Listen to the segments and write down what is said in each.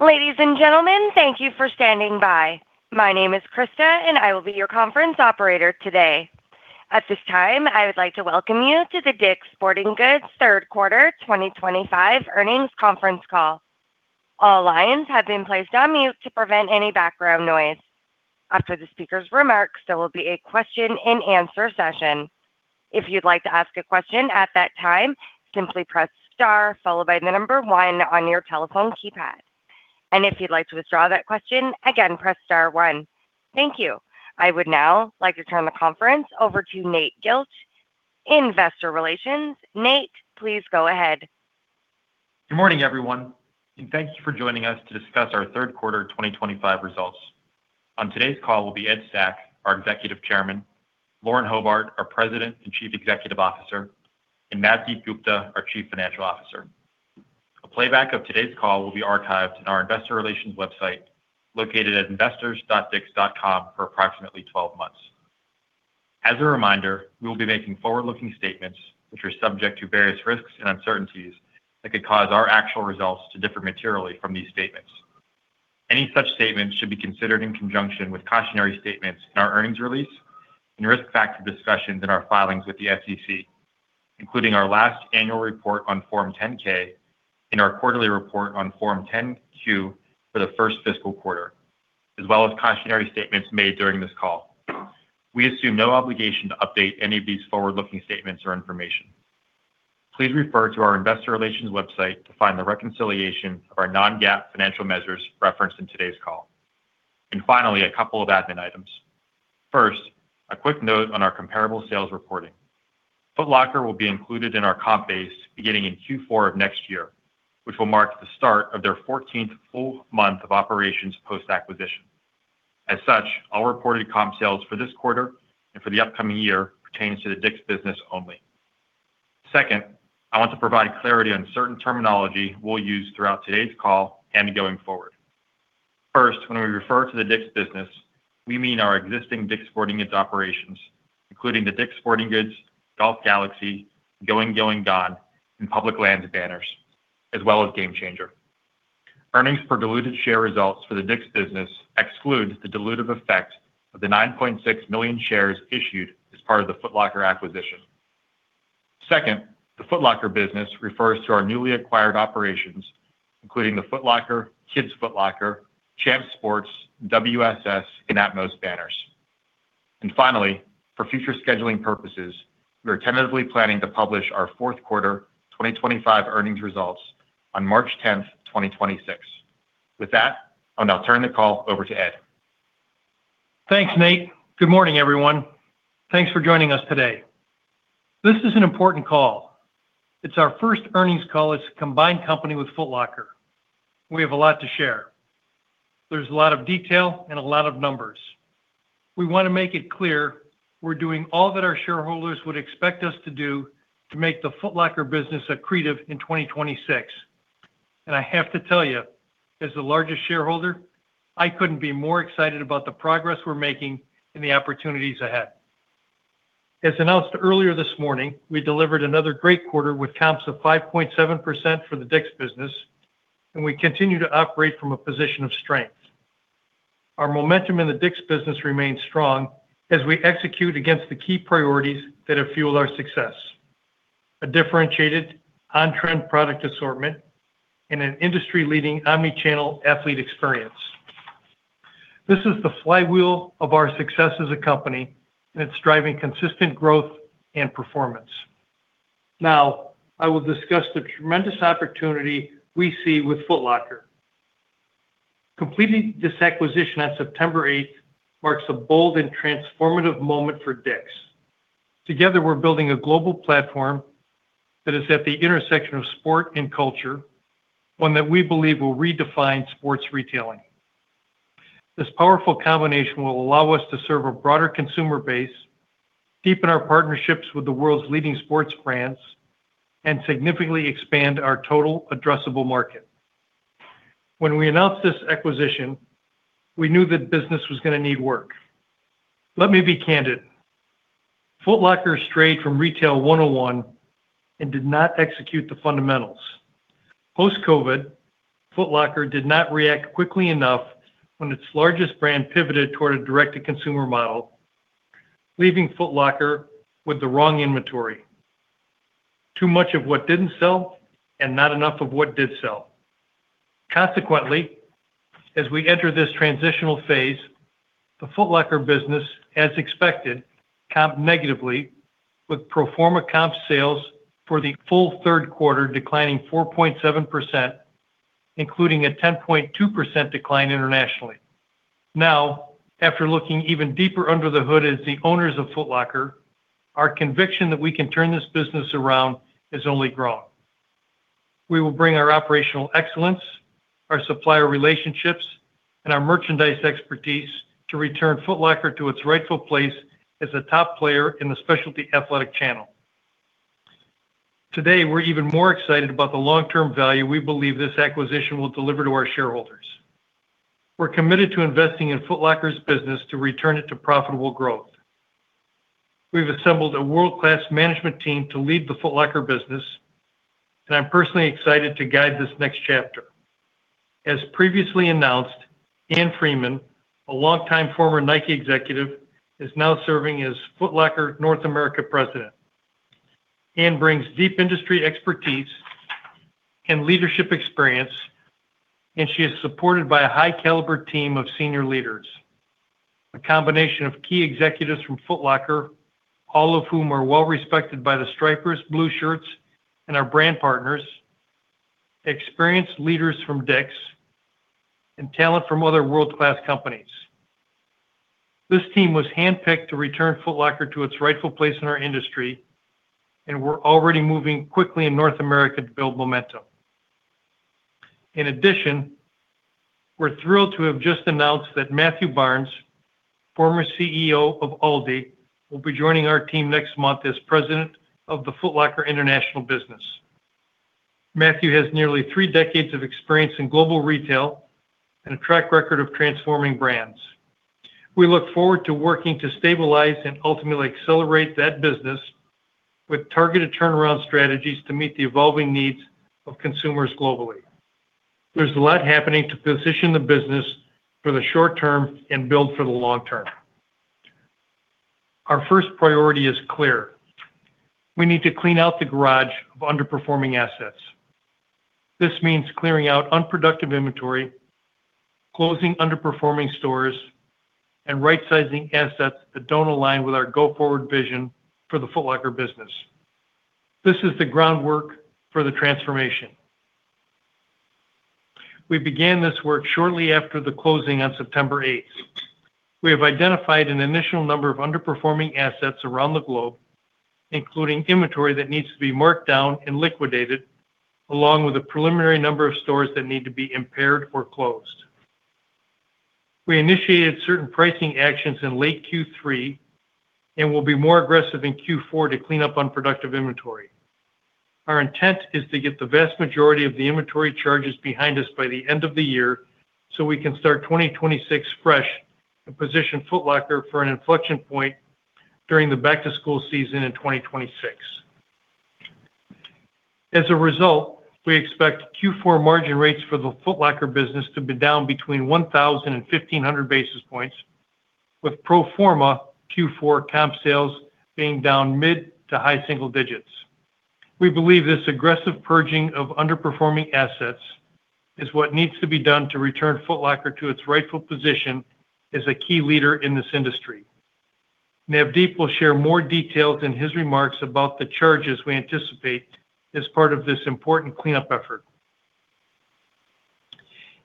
Ladies and gentlemen, thank you for standing by. My name is Krista, and I will be your conference operator today. At this time, I would like to welcome you to the DICK'S Sporting Goods third quarter 2025 earnings conference call. All lines have been placed on mute to prevent any background noise. After the speaker's remarks, there will be a question-and-answer session. If you'd like to ask a question at that time, simply press star followed by the number one on your telephone keypad. If you'd like to withdraw that question, again, press star one. Thank you. I would now like to turn the conference over to Nate Gilch, Investor Relations. Nate, please go ahead. Good morning, everyone, and thank you for joining us to discuss our third quarter 2025 results. On today's call will be Ed Stack, our Executive Chairman; Lauren Hobart, our President and Chief Executive Officer; and Navdeep Gupta, our Chief Financial Officer. A playback of today's call will be archived in our Investor Relations website, located at investors.dicks.com, for approximately 12 months. As a reminder, we will be making forward-looking statements, which are subject to various risks and uncertainties that could cause our actual results to differ materially from these statements. Any such statements should be considered in conjunction with cautionary statements in our earnings release and risk factor discussions in our filings with the SEC, including our last annual report on Form 10-K and our quarterly report on Form 10-Q for the first fiscal quarter, as well as cautionary statements made during this call. We assume no obligation to update any of these forward-looking statements or information. Please refer to our Investor Relations website to find the reconciliation of our non-GAAP financial measures referenced in today's call. Finally, a couple of admin items. First, a quick note on our comparable sales reporting. Foot Locker will be included in our comp base beginning in Q4 of next year, which will mark the start of their 14th full month of operations post-acquisition. As such, all reported comp sales for this quarter and for the upcoming year pertain to the DICK'S business only. Second, I want to provide clarity on certain terminology we'll use throughout today's call and going forward. First, when we refer to the DICK'S business, we mean our existing DICK'S Sporting Goods operations, including the DICK'S Sporting Goods, Golf Galaxy, Going-Going-Gone, and Public Lands banners, as well as GameChanger. Earnings per diluted share results for the DICK'S business exclude the dilutive effect of the 9.6 million shares issued as part of the Foot Locker acquisition. Second, the Foot Locker business refers to our newly acquired operations, including the Foot Locker, Kids Foot Locker, Champs Sports, WSS, and Atmos banners. Finally, for future scheduling purposes, we are tentatively planning to publish our fourth quarter 2025 earnings results on March 10th, 2026. With that, I'll now turn the call over to Ed. Thanks, Nate. Good morning, everyone. Thanks for joining us today. This is an important call. It's our first earnings call as a combined company with Foot Locker. We have a lot to share. There's a lot of detail and a lot of numbers. We want to make it clear we're doing all that our shareholders would expect us to do to make the Foot Locker business accretive in 2026. I have to tell you, as the largest shareholder, I couldn't be more excited about the progress we're making and the opportunities ahead. As announced earlier this morning, we delivered another great quarter with comps of 5.7% for the DICK'S business, and we continue to operate from a position of strength. Our momentum in the DICK'S business remains strong as we execute against the key priorities that have fueled our success: a differentiated, on-trend product assortment and an industry-leading omnichannel athlete experience. This is the flywheel of our success as a company, and it's driving consistent growth and performance. Now, I will discuss the tremendous opportunity we see with Foot Locker. Completing this acquisition on September 8 marks a bold and transformative moment for DICK'S. Together, we're building a global platform that is at the intersection of sport and culture, one that we believe will redefine sports retailing. This powerful combination will allow us to serve a broader consumer base, deepen our partnerships with the world's leading sports brands, and significantly expand our total addressable market. When we announced this acquisition, we knew that business was going to need work. Let me be candid. Foot Locker strayed from retail 101 and did not execute the fundamentals. Post-COVID, Foot Locker did not react quickly enough when its largest brand pivoted toward a direct-to-consumer model, leaving Foot Locker with the wrong inventory: too much of what did not sell and not enough of what did sell. Consequently, as we enter this transitional phase, the Foot Locker business, as expected, comped negatively, with proforma comp sales for the full third quarter declining 4.7%, including a 10.2% decline internationally. Now, after looking even deeper under the hood as the owners of Foot Locker, our conviction that we can turn this business around is only growing. We will bring our operational excellence, our supplier relationships, and our merchandise expertise to return Foot Locker to its rightful place as a top player in the specialty athletic channel. Today, we're even more excited about the long-term value we believe this acquisition will deliver to our shareholders. We're committed to investing in Foot Locker's business to return it to profitable growth. We've assembled a world-class management team to lead the Foot Locker business, and I'm personally excited to guide this next chapter. As previously announced, Ann Freeman, a longtime former Nike executive, is now serving as Foot Locker North America President. Ann brings deep industry expertise and leadership experience, and she is supported by a high-caliber team of senior leaders. A combination of key executives from Foot Locker, all of whom are well-respected by the Stripers, Blue Shirts, and our brand partners, experienced leaders from DICK'S, and talent from other world-class companies. This team was handpicked to return Foot Locker to its rightful place in our industry, and we're already moving quickly in North America to build momentum. In addition, we're thrilled to have just announced that Matthew Barnes, former CEO of Aldi, will be joining our team next month as President of the Foot Locker international business. Matthew has nearly three decades of experience in global retail and a track record of transforming brands. We look forward to working to stabilize and ultimately accelerate that business with targeted turnaround strategies to meet the evolving needs of consumers globally. There's a lot happening to position the business for the short term and build for the long term. Our first priority is clear. We need to clean out the garage of underperforming assets. This means clearing out unproductive inventory, closing underperforming stores, and rightsizing assets that don't align with our go-forward vision for the Foot Locker business. This is the groundwork for the transformation. We began this work shortly after the closing on September 8. We have identified an initial number of underperforming assets around the globe, including inventory that needs to be marked down and liquidated, along with a preliminary number of stores that need to be impaired or closed. We initiated certain pricing actions in late Q3 and will be more aggressive in Q4 to clean up unproductive inventory. Our intent is to get the vast majority of the inventory charges behind us by the end of the year so we can start 2026 fresh and position Foot Locker for an inflection point during the back-to-school season in 2026. As a result, we expect Q4 margin rates for the Foot Locker business to be down between 1,000 and 1,500 basis points, with proforma Q4 comp sales being down mid to high single digits. We believe this aggressive purging of underperforming assets is what needs to be done to return Foot Locker to its rightful position as a key leader in this industry. Navdeep will share more details in his remarks about the charges we anticipate as part of this important cleanup effort.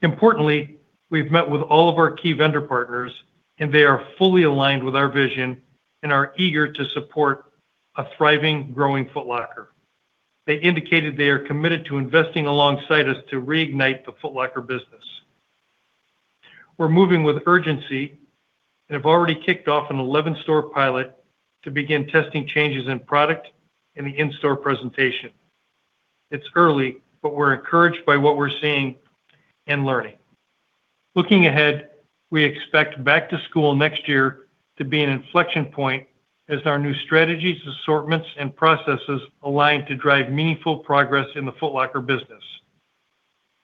Importantly, we've met with all of our key vendor partners, and they are fully aligned with our vision and are eager to support a thriving, growing Foot Locker. They indicated they are committed to investing alongside us to reignite the Foot Locker business. We're moving with urgency and have already kicked off an 11-store pilot to begin testing changes in product and the in-store presentation. It's early, but we're encouraged by what we're seeing and learning. Looking ahead, we expect back-to-school next year to be an inflection point as our new strategies, assortments, and processes align to drive meaningful progress in the Foot Locker business,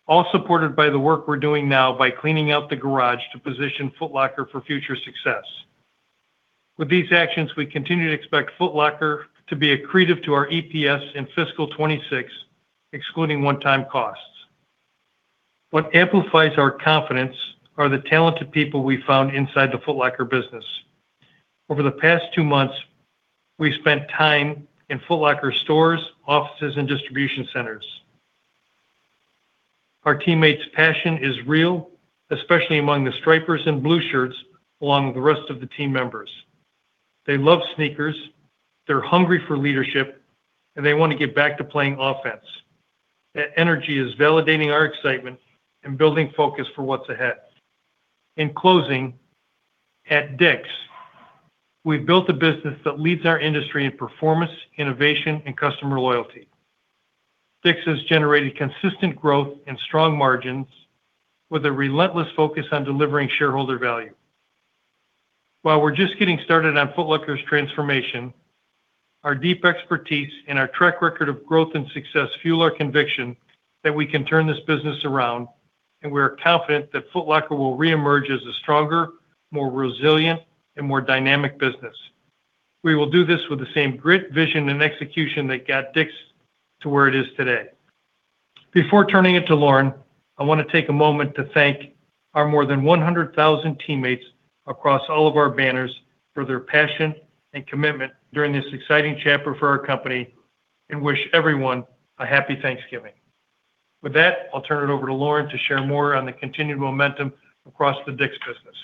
all supported by the work we're doing now by cleaning out the garage to position Foot Locker for future success. With these actions, we continue to expect Foot Locker to be accretive to our EPS in fiscal 2026, excluding one-time costs. What amplifies our confidence are the talented people we found inside the Foot Locker business. Over the past two months, we've spent time in Foot Locker stores, offices, and distribution centers. Our teammates' passion is real, especially among the Stripers and Blue Shirts along with the rest of the team members. They love sneakers, they're hungry for leadership, and they want to get back to playing offense. That energy is validating our excitement and building focus for what's ahead. In closing, at DICK'S, we've built a business that leads our industry in performance, innovation, and customer loyalty. DICK'S has generated consistent growth and strong margins with a relentless focus on delivering shareholder value. While we're just getting started on Foot Locker's transformation, our deep expertise and our track record of growth and success fuel our conviction that we can turn this business around, and we are confident that Foot Locker will reemerge as a stronger, more resilient, and more dynamic business. We will do this with the same grit, vision, and execution that got DICK'S to where it is today. Before turning it to Lauren, I want to take a moment to thank our more than 100,000 teammates across all of our banners for their passion and commitment during this exciting chapter for our company and wish everyone a happy Thanksgiving. With that, I'll turn it over to Lauren to share more on the continued momentum across the DICK'S business.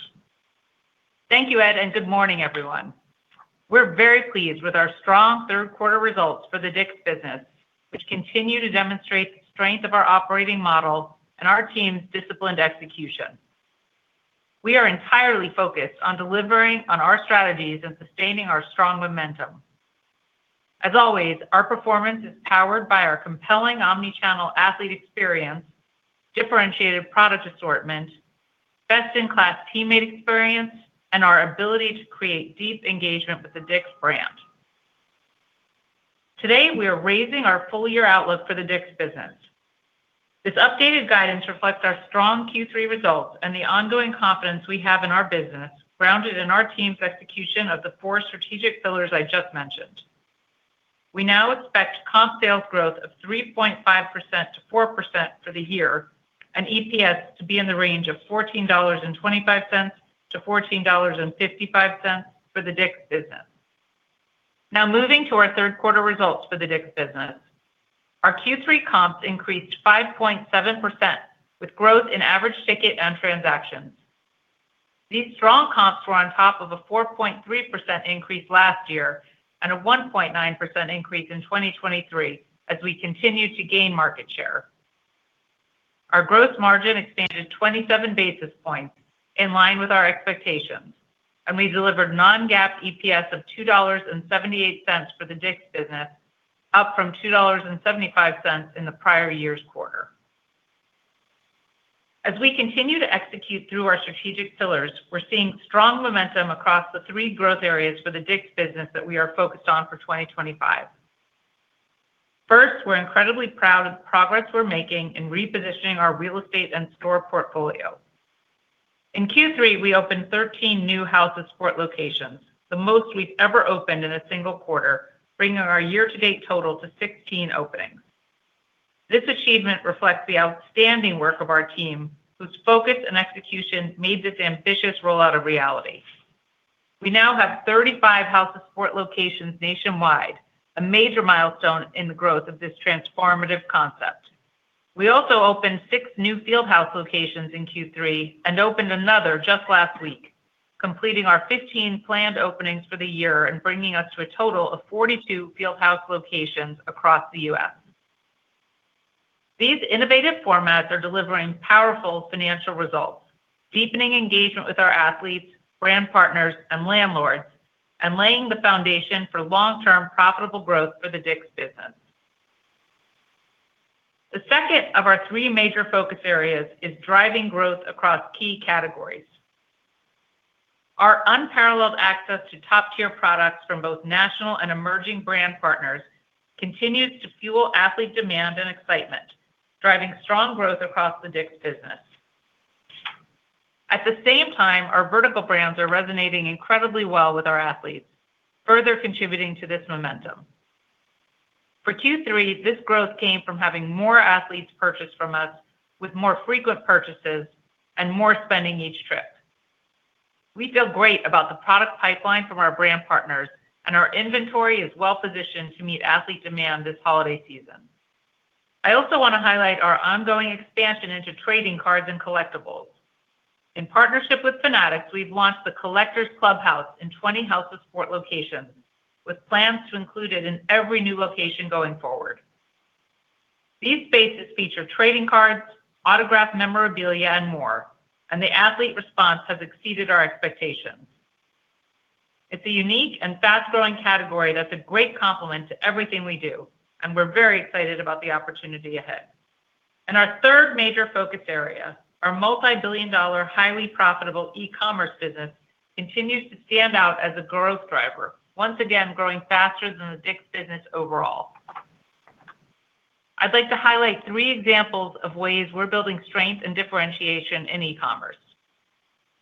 Thank you, Ed, and good morning, everyone. We're very pleased with our strong third-quarter results for the DICK'S business, which continue to demonstrate the strength of our operating model and our team's disciplined execution. We are entirely focused on delivering on our strategies and sustaining our strong momentum. As always, our performance is powered by our compelling omnichannel athlete experience, differentiated product assortment, best-in-class teammate experience, and our ability to create deep engagement with the DICK'S brand. Today, we are raising our full-year outlook for the DICK'S business. This updated guidance reflects our strong Q3 results and the ongoing confidence we have in our business, grounded in our team's execution of the four strategic pillars I just mentioned. We now expect comp sales growth of 3.5%-4% for the year and EPS to be in the range of $14.25-$14.55 for the DICK'S business. Now, moving to our third-quarter results for the DICK'S business, our Q3 comps increased 5.7% with growth in average ticket and transactions. These strong comps were on top of a 4.3% increase last year and a 1.9% increase in 2023 as we continue to gain market share. Our gross margin expanded 27 basis points in line with our expectations, and we delivered non-GAAP EPS of $2.78 for the DICK'S business, up from $2.75 in the prior year's quarter. As we continue to execute through our strategic pillars, we're seeing strong momentum across the three growth areas for the DICK'S business that we are focused on for 2025. First, we're incredibly proud of the progress we're making in repositioning our real estate and store portfolio. In Q3, we opened 13 new House of Sport locations, the most we've ever opened in a single quarter, bringing our year-to-date total to 15 openings. This achievement reflects the outstanding work of our team, whose focus and execution made this ambitious rollout a reality. We now have 35 House of Sport locations nationwide, a major milestone in the growth of this transformative concept. We also opened six new Fieldhouse locations in Q3 and opened another just last week, completing our 15 planned openings for the year and bringing us to a total of 42 Fieldhouse locations across the U.S. These innovative formats are delivering powerful financial results, deepening engagement with our athletes, brand partners, and landlords, and laying the foundation for long-term profitable growth for the DICK'S business. The second of our three major focus areas is driving growth across key categories. Our unparalleled access to top-tier products from both national and emerging brand partners continues to fuel athlete demand and excitement, driving strong growth across the DICK'S business. At the same time, our vertical brands are resonating incredibly well with our athletes, further contributing to this momentum. For Q3, this growth came from having more athletes purchase from us, with more frequent purchases and more spending each trip. We feel great about the product pipeline from our brand partners, and our inventory is well-positioned to meet athlete demand this holiday season. I also want to highlight our ongoing expansion into trading cards and collectibles. In partnership with Fanatics, we've launched the Collectors Clubhouse in 20 House of Sport locations, with plans to include it in every new location going forward. These spaces feature trading cards, autographed memorabilia, and more, and the athlete response has exceeded our expectations. It's a unique and fast-growing category that's a great complement to everything we do, and we're very excited about the opportunity ahead. Our third major focus area, our multi-billion dollar, highly profitable e-commerce business, continues to stand out as a growth driver, once again growing faster than the DICK'S business overall. I'd like to highlight three examples of ways we're building strength and differentiation in e-commerce.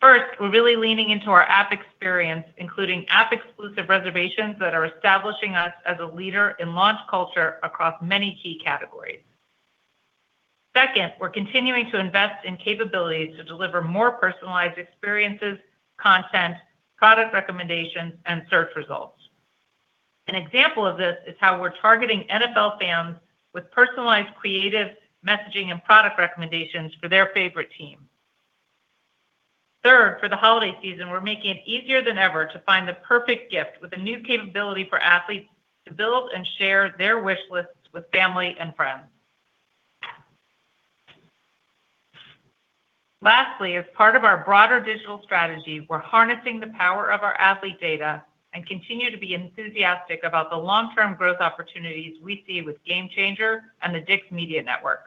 First, we're really leaning into our app experience, including app-exclusive reservations that are establishing us as a leader in launch culture across many key categories. Second, we're continuing to invest in capabilities to deliver more personalized experiences, content, product recommendations, and search results. An example of this is how we're targeting NFL fans with personalized creative messaging and product recommendations for their favorite team. Third, for the holiday season, we're making it easier than ever to find the perfect gift with a new capability for athletes to build and share their wish lists with family and friends. Lastly, as part of our broader digital strategy, we're harnessing the power of our athlete data and continue to be enthusiastic about the long-term growth opportunities we see with GameChanger and the DICK'S Media Network.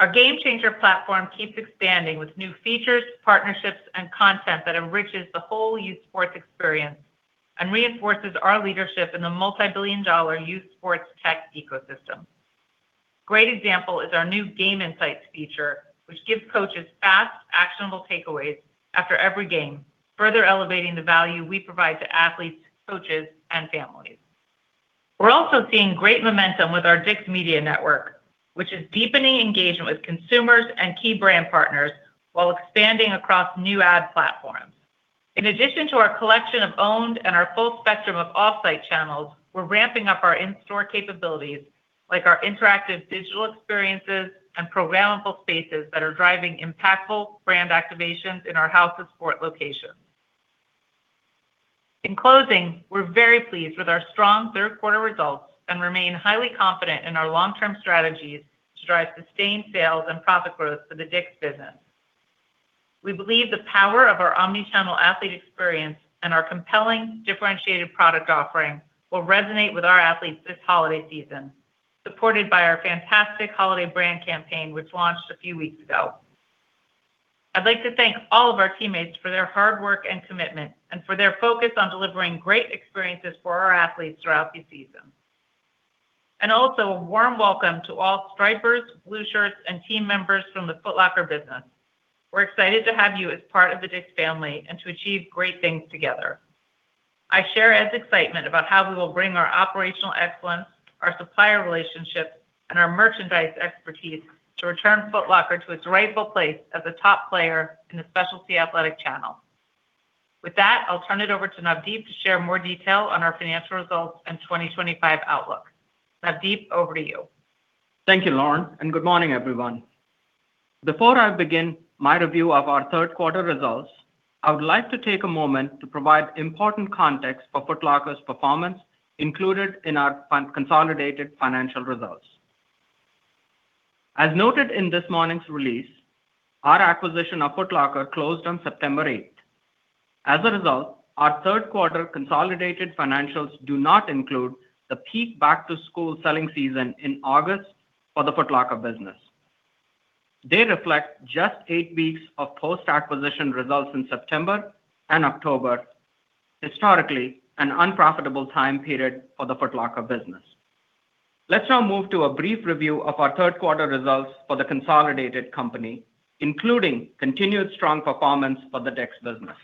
Our GameChanger platform keeps expanding with new features, partnerships, and content that enriches the whole youth sports experience and reinforces our leadership in the multi-billion dollar youth sports tech ecosystem. Great example is our new Game Insights feature, which gives coaches fast, actionable takeaways after every game, further elevating the value we provide to athletes, coaches, and families. We're also seeing great momentum with our DICK'S Media Network, which is deepening engagement with consumers and key brand partners while expanding across new ad platforms. In addition to our collection of owned and our full spectrum of offsite channels, we're ramping up our in-store capabilities, like our interactive digital experiences and programmable spaces that are driving impactful brand activations in our House of Sport locations. In closing, we're very pleased with our strong third-quarter results and remain highly confident in our long-term strategies to drive sustained sales and profit growth for the DICK'S business. We believe the power of our omnichannel athlete experience and our compelling, differentiated product offering will resonate with our athletes this holiday season, supported by our fantastic holiday brand campaign, which launched a few weeks ago. I'd like to thank all of our teammates for their hard work and commitment and for their focus on delivering great experiences for our athletes throughout the season. A warm welcome to all Stripers, Blue Shirts, and team members from the Foot Locker business. We're excited to have you as part of the DICK'S family and to achieve great things together. I share Ed's excitement about how we will bring our operational excellence, our supplier relationships, and our merchandise expertise to return Foot Locker to its rightful place as a top player in the specialty athletic channel. With that, I'll turn it over to Navdeep to share more detail on our financial results and 2025 outlook. Navdeep, over to you. Thank you, Lauren, and good morning, everyone. Before I begin my review of our third-quarter results, I would like to take a moment to provide important context for Foot Locker's performance included in our consolidated financial results. As noted in this morning's release, our acquisition of Foot Locker closed on September 8. As a result, our third-quarter consolidated financials do not include the peak back-to-school selling season in August for the Foot Locker business. They reflect just eight weeks of post-acquisition results in September and October, historically an unprofitable time period for the Foot Locker business. Let's now move to a brief review of our third-quarter results for the consolidated company, including continued strong performance for the DICK'S business.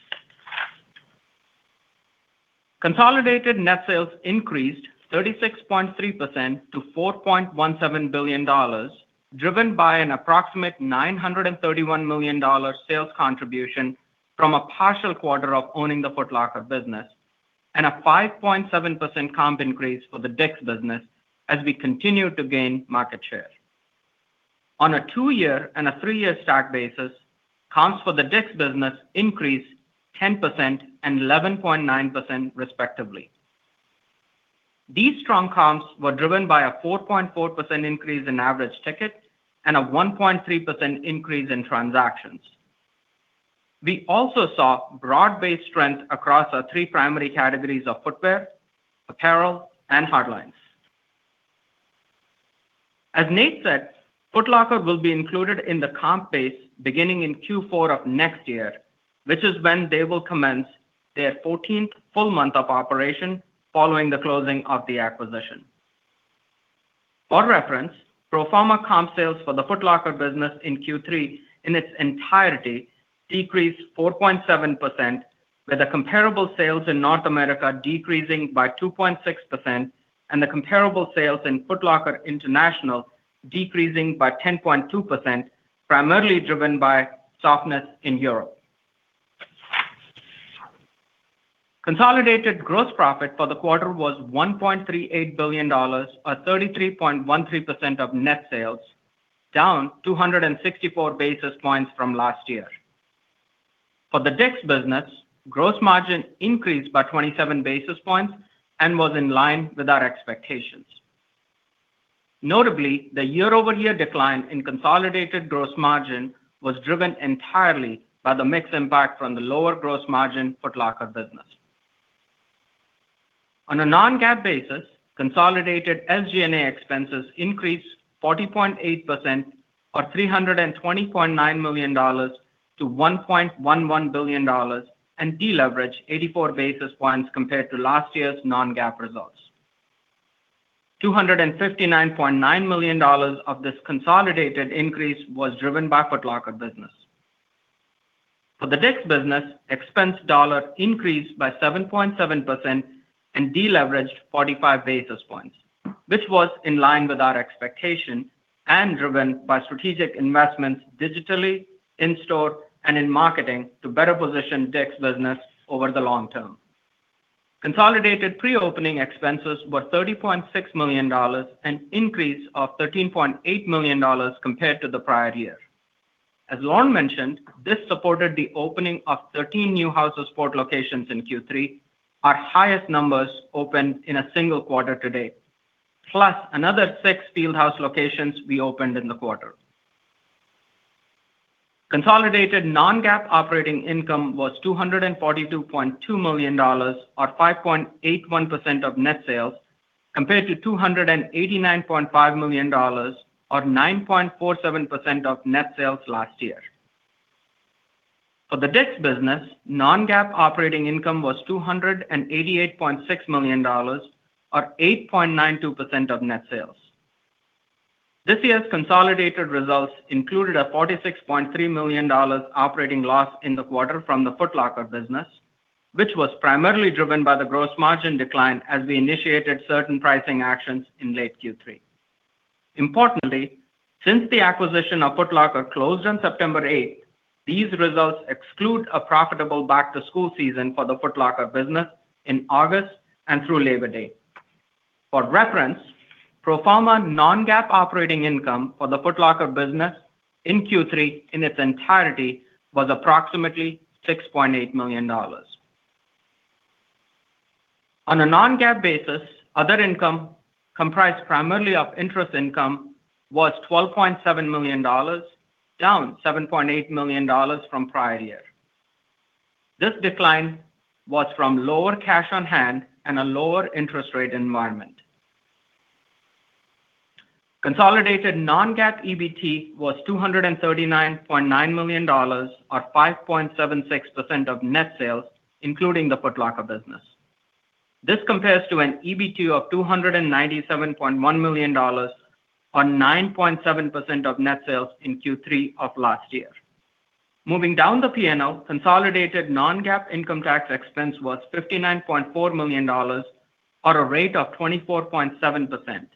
Consolidated net sales increased 36.3% to $4.17 billion, driven by an approximate $931 million sales contribution from a partial quarter of owning the Foot Locker business and a 5.7% comp increase for the DICK'S business as we continue to gain market share. On a two-year and a three-year stack basis, comps for the DICK'S business increased 10% and 11.9%, respectively. These strong comps were driven by a 4.4% increase in average ticket and a 1.3% increase in transactions. We also saw broad-based strength across our three primary categories of footwear, apparel, and hard lines. As Nate said, Foot Locker will be included in the comp base beginning in Q4 of next year, which is when they will commence their 14th full month of operation following the closing of the acquisition. For reference, proforma comp sales for the Foot Locker business in Q3 in its entirety decreased 4.7%, with the comparable sales in North America decreasing by 2.6% and the comparable sales in Foot Locker International decreasing by 10.2%, primarily driven by softness in Europe. Consolidated gross profit for the quarter was $1.38 billion, or 33.13% of net sales, down 264 basis points from last year. For the DICK'S business, gross margin increased by 27 basis points and was in line with our expectations. Notably, the year-over-year decline in consolidated gross margin was driven entirely by the mixed impact from the lower gross margin Foot Locker business. On a non-GAAP basis, consolidated SG&A expenses increased 40.8%, or $320.9 million, to $1.11 billion and deleveraged 84 basis points compared to last year's non-GAAP results. $259.9 million of this consolidated increase was driven by Foot Locker business. For the DICK'S business, expense dollars increased by 7.7% and deleveraged 45 basis points, which was in line with our expectation and driven by strategic investments digitally, in-store, and in marketing to better position DICK'S business over the long term. Consolidated pre-opening expenses were $30.6 million and increased $13.8 million compared to the prior year. As Lauren mentioned, this supported the opening of 13 new House of Sport locations in Q3, our highest number opened in a single quarter to date, plus another six Fieldhouse locations we opened in the quarter. Consolidated non-GAAP operating income was $242.2 million, or 5.81% of net sales, compared to $289.5 million, or 9.47% of net sales last year. For the DICK'S business, non-GAAP operating income was $288.6 million, or 8.92% of net sales. This year's consolidated results included a $46.3 million operating loss in the quarter from the Foot Locker business, which was primarily driven by the gross margin decline as we initiated certain pricing actions in late Q3. Importantly, since the acquisition of Foot Locker closed on September 8, these results exclude a profitable back-to-school season for the Foot Locker business in August and through Labor Day. For reference, proforma non-GAAP operating income for the Foot Locker business in Q3 in its entirety was approximately $6.8 million. On a non-GAAP basis, other income comprised primarily of interest income was $12.7 million, down $7.8 million from prior year. This decline was from lower cash on hand and a lower interest rate environment. Consolidated non-GAAP EBT was $239.9 million, or 5.76% of net sales, including the Foot Locker business. This compares to an EBT of $297.1 million, or 9.7% of net sales in Q3 of last year. Moving down the piano, consolidated non-GAAP income tax expense was $59.4 million, or a rate of 24.7%.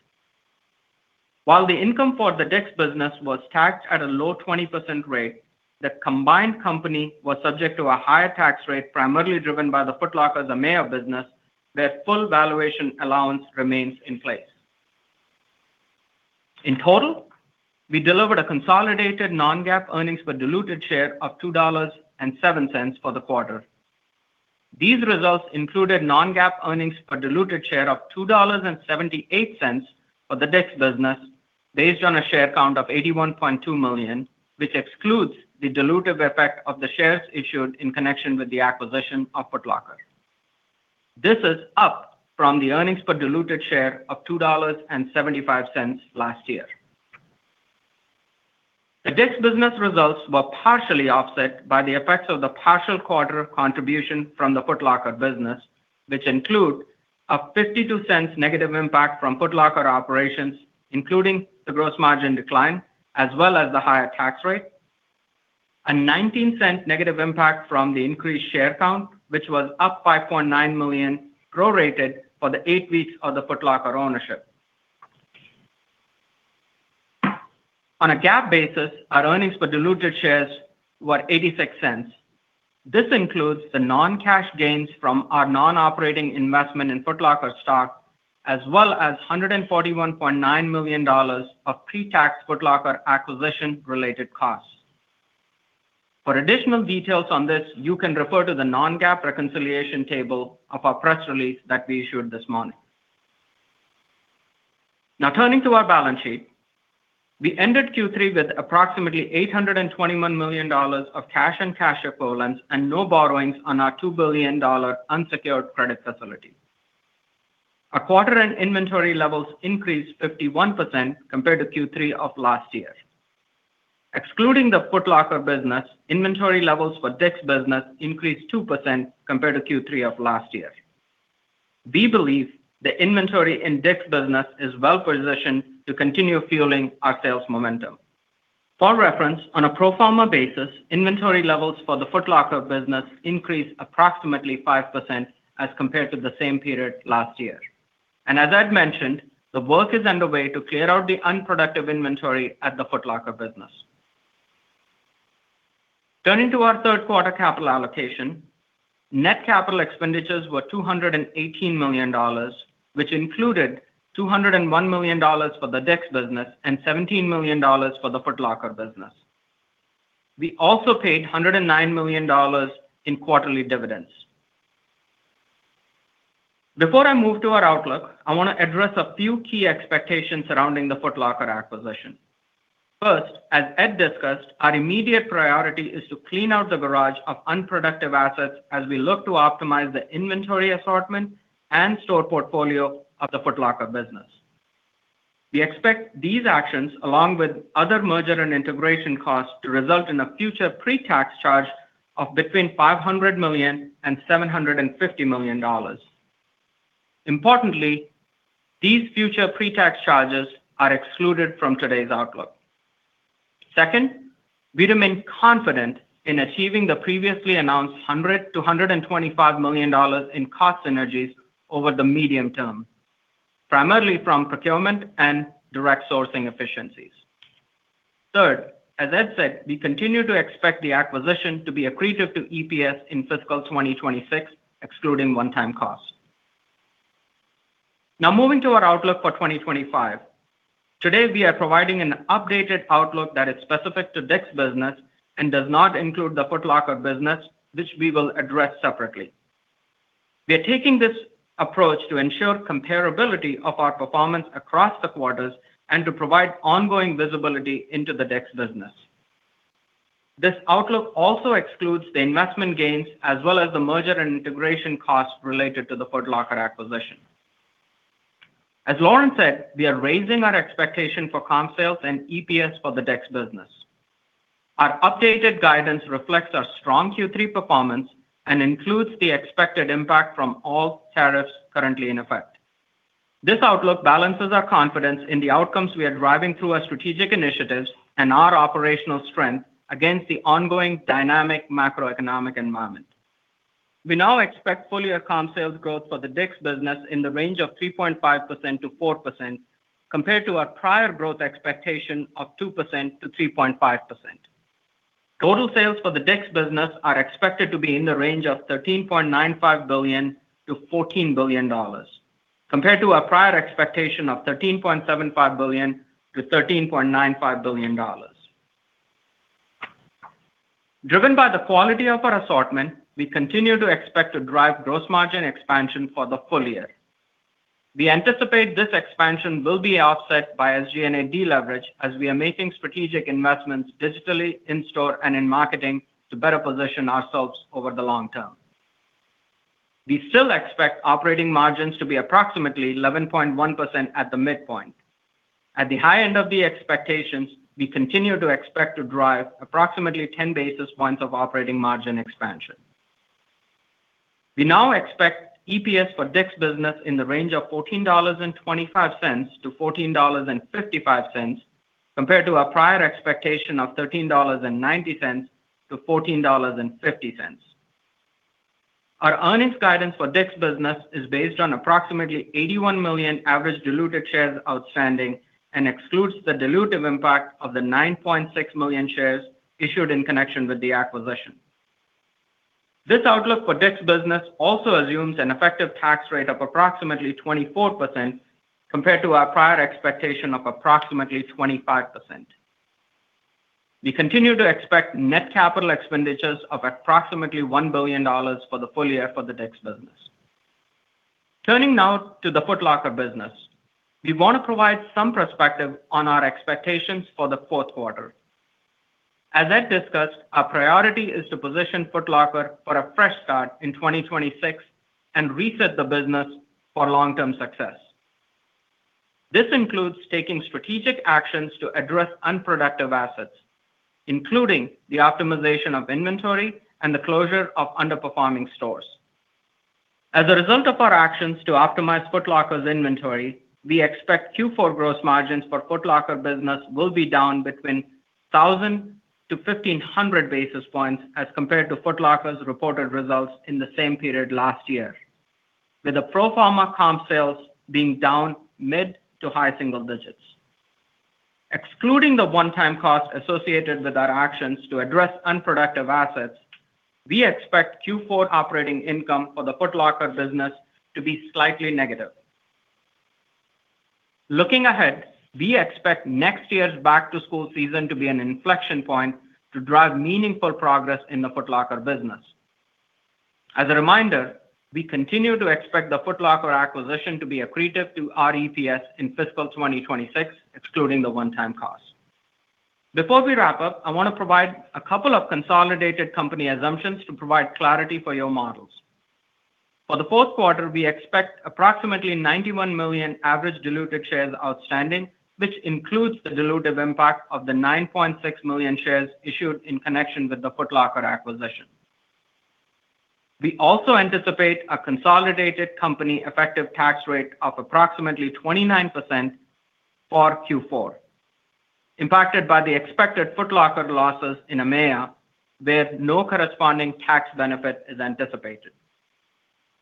While the income for the DICK'S business was taxed at a low 20% rate, the combined company was subject to a higher tax rate, primarily driven by the Foot Locker's amount of business, where full valuation allowance remains in place. In total, we delivered a consolidated non-GAAP earnings for diluted share of $2.07 for the quarter. These results included non-GAAP earnings for diluted share of $2.78 for the DICK'S business, based on a share count of 81.2 million, which excludes the dilutive effect of the shares issued in connection with the acquisition of Foot Locker. This is up from the earnings for diluted share of $2.75 last year. The DICK'S business results were partially offset by the effects of the partial quarter contribution from the Foot Locker business, which include a $0.52 negative impact from Foot Locker operations, including the gross margin decline, as well as the higher tax rate, a $0.19 negative impact from the increased share count, which was up 5.9 million, prorated for the eight weeks of the Foot Locker ownership. On a GAAP basis, our earnings for diluted shares were $0.86. This includes the non-cash gains from our non-operating investment in Foot Locker stock, as well as $141.9 million of pre-tax Foot Locker acquisition-related costs. For additional details on this, you can refer to the non-GAAP reconciliation table of our press release that we issued this morning. Now, turning to our balance sheet, we ended Q3 with approximately $821 million of cash and cash equivalents and no borrowings on our $2 billion unsecured credit facility. Our quarter-end inventory levels increased 51% compared to Q3 of last year. Excluding the Foot Locker business, inventory levels for DICK'S business increased 2% compared to Q3 of last year. We believe the inventory in DICK'S business is well-positioned to continue fueling our sales momentum. For reference, on a proforma basis, inventory levels for the Foot Locker business increased approximately 5% as compared to the same period last year. As I've mentioned, the work is underway to clear out the unproductive inventory at the Foot Locker business. Turning to our third-quarter capital allocation, net capital expenditures were $218 million, which included $201 million for the DICK'S business and $17 million for the Foot Locker business. We also paid $109 million in quarterly dividends. Before I move to our outlook, I want to address a few key expectations surrounding the Foot Locker acquisition. First, as Ed discussed, our immediate priority is to clean out the garage of unproductive assets as we look to optimize the inventory assortment and store portfolio of the Foot Locker business. We expect these actions, along with other merger and integration costs, to result in a future pre-tax charge of between $500 million and $750 million. Importantly, these future pre-tax charges are excluded from today's outlook. Second, we remain confident in achieving the previously announced $100 million-$125 million in cost synergies over the medium term, primarily from procurement and direct sourcing efficiencies. Third, as Ed said, we continue to expect the acquisition to be accretive to EPS in fiscal 2026, excluding one-time costs. Now, moving to our outlook for 2025, today we are providing an updated outlook that is specific to DICK'S business and does not include the Foot Locker business, which we will address separately. We are taking this approach to ensure comparability of our performance across the quarters and to provide ongoing visibility into the DICK'S business. This outlook also excludes the investment gains as well as the merger and integration costs related to the Foot Locker acquisition. As Lauren said, we are raising our expectation for comp sales and EPS for the DICK'S business. Our updated guidance reflects our strong Q3 performance and includes the expected impact from all tariffs currently in effect. This outlook balances our confidence in the outcomes we are driving through our strategic initiatives and our operational strength against the ongoing dynamic macroeconomic environment. We now expect fully account sales growth for the DICK'S business in the range of 3.5%-4%, compared to our prior growth expectation of 2%-3.5%. Total sales for the DICK'S business are expected to be in the range of $13.95 billion-$14 billion, compared to our prior expectation of $13.75 billion-$13.95 billion. Driven by the quality of our assortment, we continue to expect to drive gross margin expansion for the full year. We anticipate this expansion will be offset by LG&A deleverage as we are making strategic investments digitally, in-store, and in marketing to better position ourselves over the long term. We still expect operating margins to be approximately 11.1% at the midpoint. At the high end of the expectations, we continue to expect to drive approximately 10 basis points of operating margin expansion. We now expect EPS for DICK'S business in the range of $14.25-$14.55, compared to our prior expectation of $13.90-$14.50. Our earnings guidance for DICK'S business is based on approximately 81 million average diluted shares outstanding and excludes the dilutive impact of the 9.6 million shares issued in connection with the acquisition. This outlook for DICK'S business also assumes an effective tax rate of approximately 24%, compared to our prior expectation of approximately 25%. We continue to expect net capital expenditures of approximately $1 billion for the full year for the DICK'S business. Turning now to the Foot Locker business, we want to provide some perspective on our expectations for the fourth quarter. As Ed discussed, our priority is to position Foot Locker for a fresh start in 2026 and reset the business for long-term success. This includes taking strategic actions to address unproductive assets, including the optimization of inventory and the closure of underperforming stores. As a result of our actions to optimize Foot Locker's inventory, we expect Q4 gross margins for Foot Locker business will be down between 1,000-1,500 basis points as compared to Foot Locker's reported results in the same period last year, with the proforma comp sales being down mid to high single digits. Excluding the one-time cost associated with our actions to address unproductive assets, we expect Q4 operating income for the Foot Locker business to be slightly negative. Looking ahead, we expect next year's back-to-school season to be an inflection point to drive meaningful progress in the Foot Locker business. As a reminder, we continue to expect the Foot Locker acquisition to be accretive to our EPS in fiscal 2026, excluding the one-time cost. Before we wrap up, I want to provide a couple of consolidated company assumptions to provide clarity for your models. For the fourth quarter, we expect approximately $91 million average diluted shares outstanding, which includes the dilutive impact of the 9.6 million shares issued in connection with the Foot Locker acquisition. We also anticipate a consolidated company effective tax rate of approximately 29% for Q4, impacted by the expected Foot Locker losses in AMEA, where no corresponding tax benefit is anticipated.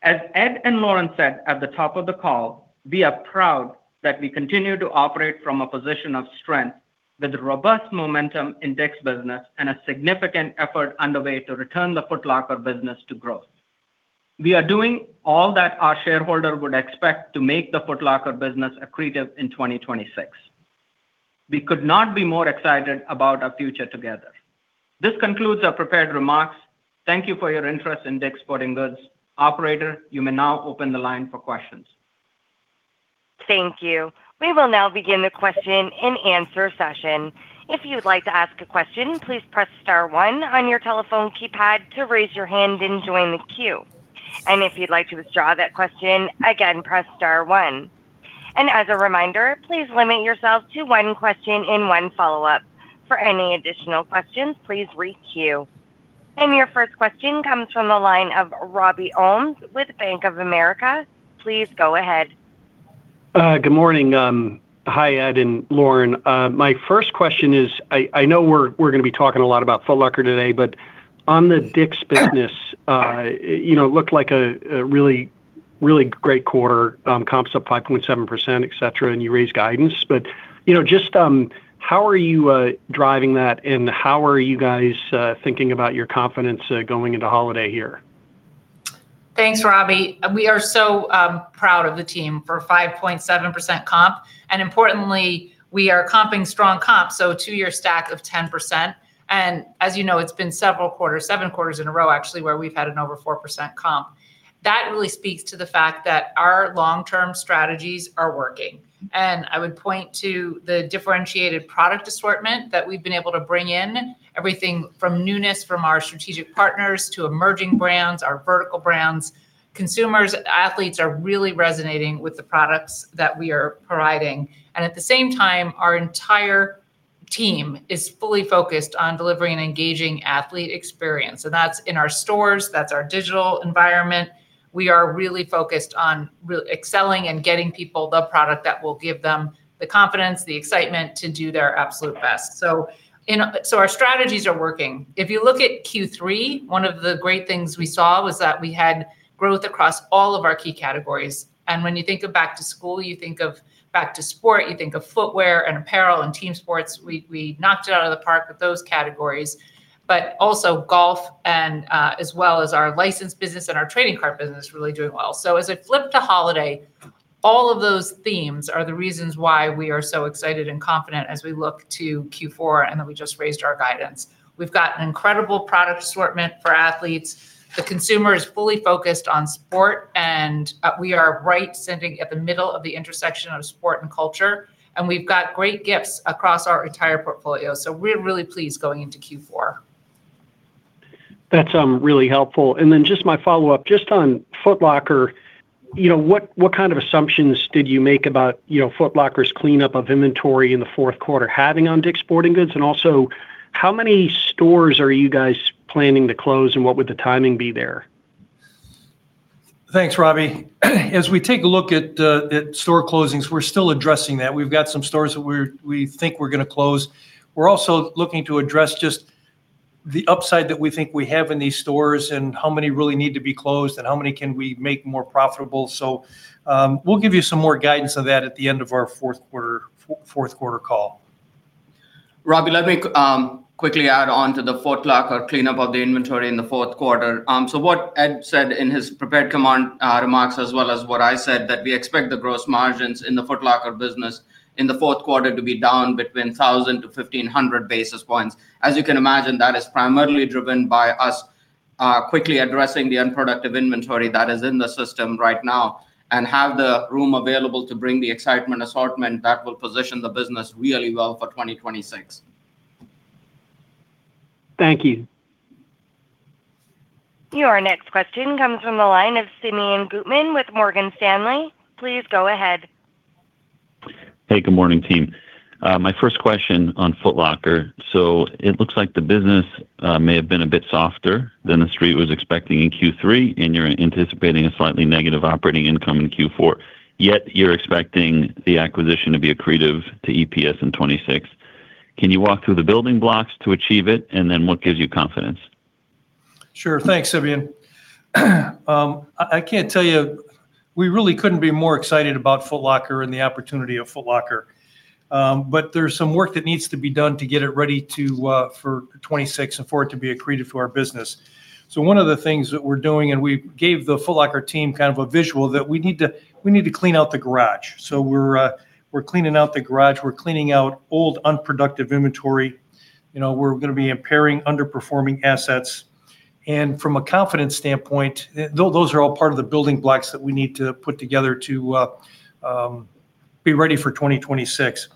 As Ed and Lauren said at the top of the call, we are proud that we continue to operate from a position of strength with robust momentum in DICK'S business and a significant effort underway to return the Foot Locker business to growth. We are doing all that our shareholder would expect to make the Foot Locker business accretive in 2026. We could not be more excited about our future together. This concludes our prepared remarks. Thank you for your interest in DICK'S Sporting Goods. Operator, you may now open the line for questions. Thank you. We will now begin the question and answer session. If you'd like to ask a question, please press star one on your telephone keypad to raise your hand and join the queue. If you'd like to withdraw that question, again, press star one. As a reminder, please limit yourself to one question and one follow-up. For any additional questions, please re-queue. Your first question comes from the line of Robbie Ohmes with Bank of America. Please go ahead. Good morning. Hi, Ed and Lauren. My first question is, I know we're going to be talking a lot about Foot Locker today, but on the DICK'S business, it looked like a really, really great quarter, comps up 5.7%, etc., and you raised guidance. Just how are you driving that, and how are you guys thinking about your confidence going into holiday here? Thanks, Robbie. We are so proud of the team for 5.7% comp. Importantly, we are comping strong comp, so a two-year stack of 10%. As you know, it's been several quarters, seven quarters in a row, actually, where we've had an over 4% comp. That really speaks to the fact that our long-term strategies are working. I would point to the differentiated product assortment that we've been able to bring in, everything from newness from our strategic partners to emerging brands, our vertical brands. Consumers, athletes are really resonating with the products that we are providing. At the same time, our entire team is fully focused on delivering an engaging athlete experience. That is in our stores, that is our digital environment. We are really focused on excelling and getting people the product that will give them the confidence, the excitement to do their absolute best. Our strategies are working. If you look at Q3, one of the great things we saw was that we had growth across all of our key categories. When you think of back-to-school, you think of back-to-sport, you think of footwear and apparel and team sports. We knocked it out of the park with those categories. Also, golf, as well as our license business and our trading card business, really doing well. As we flip to holiday, all of those themes are the reasons why we are so excited and confident as we look to Q4 and that we just raised our guidance. We've got an incredible product assortment for athletes. The consumer is fully focused on sport, and we are right at the middle of the intersection of sport and culture. We've got great gifts across our entire portfolio. We are really pleased going into Q4. That's really helpful. My follow-up, just on Foot Locker, what kind of assumptions did you make about Foot Locker's cleanup of inventory in the fourth quarter having on DICK'S Sporting Goods? Also, how many stores are you guys planning to close, and what would the timing be there? Thanks, Robbie. As we take a look at store closings, we're still addressing that. We've got some stores that we think we're going to close. We're also looking to address just the upside that we think we have in these stores and how many really need to be closed and how many can we make more profitable. We'll give you some more guidance on that at the end of our fourth quarter call. Robbie, let me quickly add on to the Foot Locker cleanup of the inventory in the fourth quarter. What Ed said in his prepared command remarks, as well as what I said, is that we expect the gross margins in the Foot Locker business in the fourth quarter to be down between 1,000-1,500 basis points. As you can imagine, that is primarily driven by us quickly addressing the unproductive inventory that is in the system right now and have the room available to bring the excitement assortment that will position the business really well for 2026. Thank you. Your next question comes from the line of Simeon Gutman with Morgan Stanley. Please go ahead. Hey, good morning, team. My first question on Foot Locker. It looks like the business may have been a bit softer than the street was expecting in Q3, and you're anticipating a slightly negative operating income in Q4. Yet you're expecting the acquisition to be accretive to EPS in 2026. Can you walk through the building blocks to achieve it, and then what gives you confidence? Sure. Thanks, Simeon. I can't tell you, we really couldn't be more excited about Foot Locker and the opportunity of Foot Locker. There is some work that needs to be done to get it ready for 2026 and for it to be accretive to our business. One of the things that we are doing, and we gave the Foot Locker team kind of a visual that we need to clean out the garage. We are cleaning out the garage. We are cleaning out old unproductive inventory. We are going to be impairing underperforming assets. From a confidence standpoint, those are all part of the building blocks that we need to put together to be ready for 2026.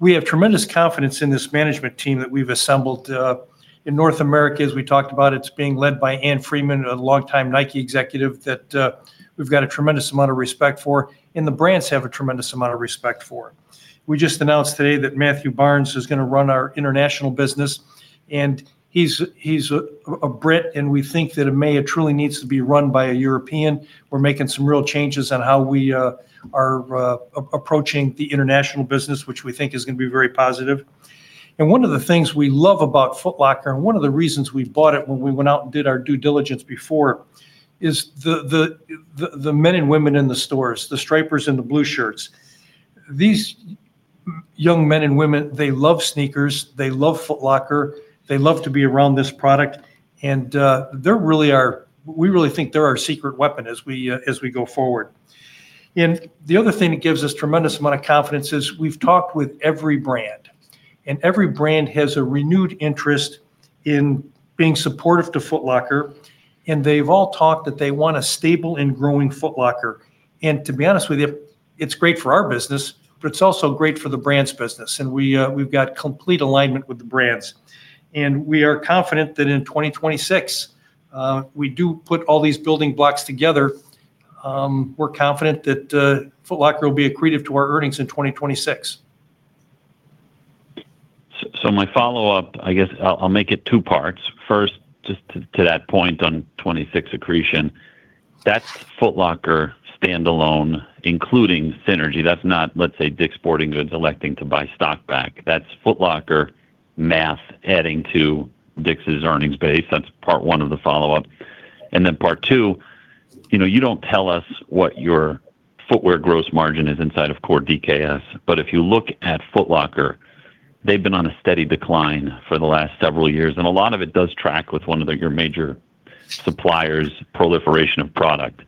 We have tremendous confidence in this management team that we have assembled. In North America, as we talked about, it is being led by Ann Freeman, a longtime Nike executive that we have a tremendous amount of respect for, and the brands have a tremendous amount of respect for. We just announced today that Matthew Barnes is going to run our international business, and he's a Brit, and we think that AMEA truly needs to be run by a European. We are making some real changes on how we are approaching the international business, which we think is going to be very positive. One of the things we love about Foot Locker, and one of the reasons we bought it when we went out and did our due diligence before, is the men and women in the stores, the stripers in the blue shirts. These young men and women, they love sneakers, they love Foot Locker, they love to be around this product, and they're really our—we really think they're our secret weapon as we go forward. The other thing that gives us a tremendous amount of confidence is we've talked with every brand, and every brand has a renewed interest in being supportive to Foot Locker, and they've all talked that they want a stable and growing Foot Locker. To be honest with you, it's great for our business, but it's also great for the brands' business, and we've got complete alignment with the brands. We are confident that in 2026, we do put all these building blocks together. We're confident that Foot Locker will be accretive to our earnings in 2026. My follow-up, I guess I'll make it two parts. First, just to that point on 2026 accretion, that's Foot Locker standalone, including synergy. That's not, let's say, DICK'S Sporting Goods electing to buy stock back. That's Foot Locker mass adding to DICK'S earnings base. That's part one of the follow-up. Part two, you do not tell us what your footwear gross margin is inside of core DICK'S, but if you look at Foot Locker, they have been on a steady decline for the last several years, and a lot of it does track with one of your major suppliers' proliferation of product.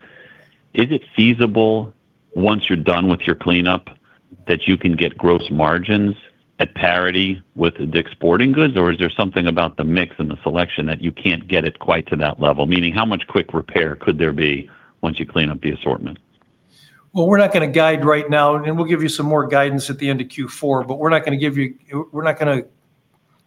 Is it feasible, once you are done with your cleanup, that you can get gross margins at parity with DICK'S Sporting Goods, or is there something about the mix and the selection that you cannot get it quite to that level? Meaning, how much quick repair could there be once you clean up the assortment? We are not going to guide right now, and we will give you some more guidance at the end of Q4, but we are not going to give you—we are not going to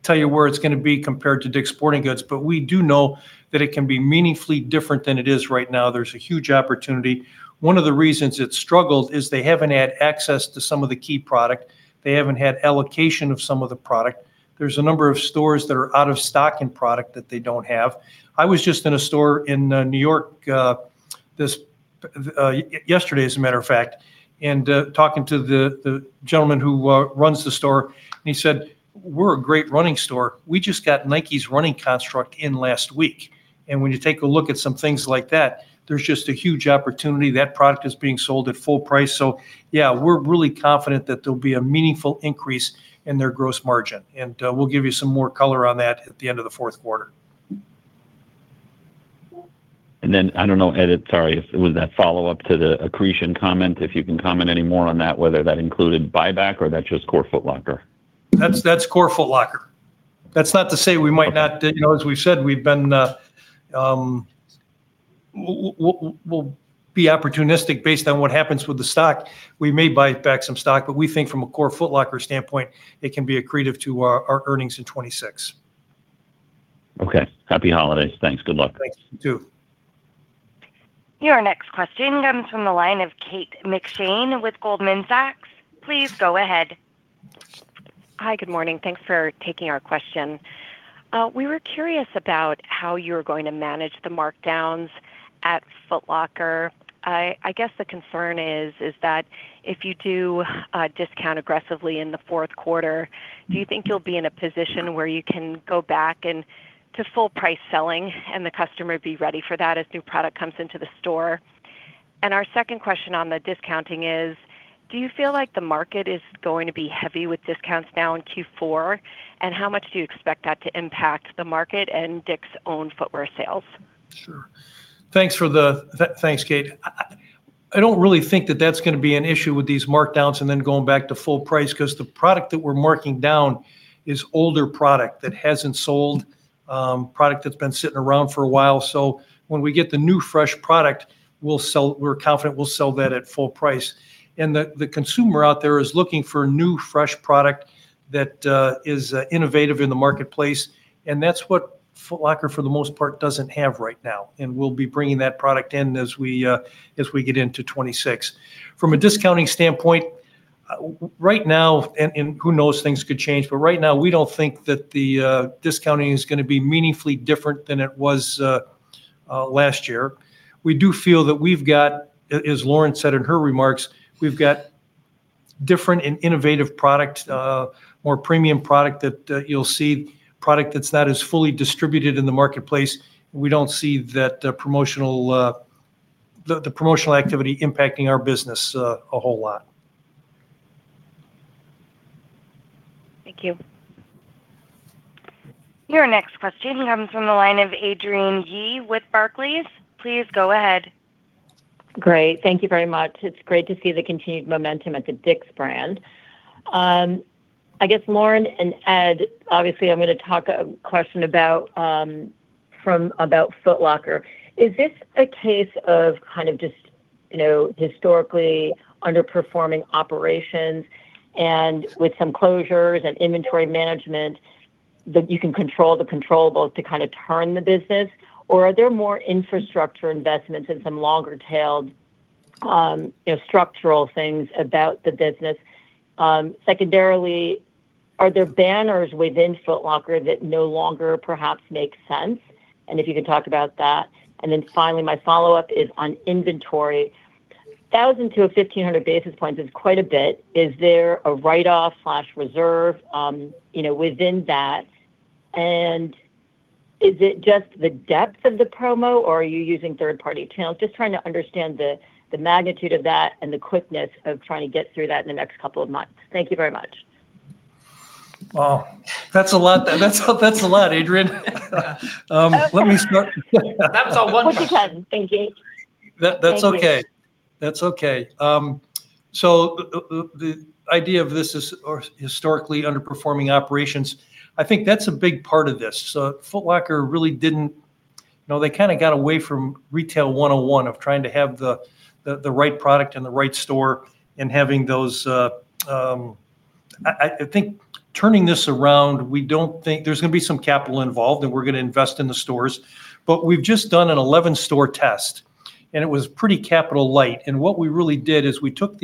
tell you where it is going to be compared to DICK'S Sporting Goods. We do know that it can be meaningfully different than it is right now. There's a huge opportunity. One of the reasons it's struggled is they haven't had access to some of the key product. They haven't had allocation of some of the product. There are a number of stores that are out of stock in product that they don't have. I was just in a store in New York yesterday, as a matter of fact, and talking to the gentleman who runs the store, and he said, "We're a great running store. We just got Nike's running construct in last week." When you take a look at some things like that, there's just a huge opportunity. That product is being sold at full price. Yeah, we're really confident that there will be a meaningful increase in their gross margin. We will give you some more color on that at the end of the fourth quarter. I do not know, Ed, sorry, was that follow-up to the accretion comment? If you can comment any more on that, whether that included buyback or that is just core Foot Locker. That is core Foot Locker. That is not to say we might not—as we have said, we have been—we will be opportunistic based on what happens with the stock. We may buy back some stock, but we think from a core Foot Locker standpoint, it can be accretive to our earnings in 2026. Okay. Happy holidays. Thanks. Good luck. Thanks. You too. Your next question comes from the line of Kate McShane with Goldman Sachs. Please go ahead. Hi, good morning. Thanks for taking our question. We were curious about how you are going to manage the markdowns at Foot Locker. I guess the concern is that if you do discount aggressively in the fourth quarter, do you think you'll be in a position where you can go back to full price selling and the customer be ready for that as new product comes into the store? Our second question on the discounting is, do you feel like the market is going to be heavy with discounts now in Q4, and how much do you expect that to impact the market and DICK'S own footwear sales? Sure. Thanks, Kate. I don't really think that that's going to be an issue with these markdowns and then going back to full price because the product that we're marking down is older product that hasn't sold, product that's been sitting around for a while. When we get the new fresh product, we're confident we'll sell that at full price. The consumer out there is looking for new fresh product that is innovative in the marketplace. That is what Foot Locker, for the most part, does not have right now. We will be bringing that product in as we get into 2026. From a discounting standpoint, right now, and who knows, things could change, but right now, we do not think that the discounting is going to be meaningfully different than it was last year. We do feel that we have, as Lauren said in her remarks, different and innovative product, more premium product that you will see, product that is not as fully distributed in the marketplace. We do not see that promotional activity impacting our business a whole lot. Thank you. Your next question comes from the line of Adrienne Yih with Barclays. Please go ahead. Great. Thank you very much. It's great to see the continued momentum at the DICK'S brand. I guess, Lauren and Ed, obviously, I'm going to ask a question about Foot Locker. Is this a case of kind of just historically underperforming operations and with some closures and inventory management that you can control the controllables to kind of turn the business, or are there more infrastructure investments and some longer-tailed structural things about the business? Secondarily, are there banners within Foot Locker that no longer perhaps make sense? If you can talk about that. Finally, my follow-up is on inventory. 1,000 to 1,500 basis points is quite a bit. Is there a write-off/reserve within that? Is it just the depth of the promo, or are you using third-party channels? Just trying to understand the magnitude of that and the quickness of trying to get through that in the next couple of months. Thank you very much. Wow. That's a lot. That's a lot, Adrienne. Let me start. That's all one question. What did you have? Thank you. That's okay. That's okay. The idea of this is historically underperforming operations. I think that's a big part of this. Foot Locker really didn't—no, they kind of got away from retail 101 of trying to have the right product in the right store and having those—I think turning this around, we don't think there's going to be some capital involved, and we're going to invest in the stores. We've just done an 11-store test, and it was pretty capital light. What we really did is we took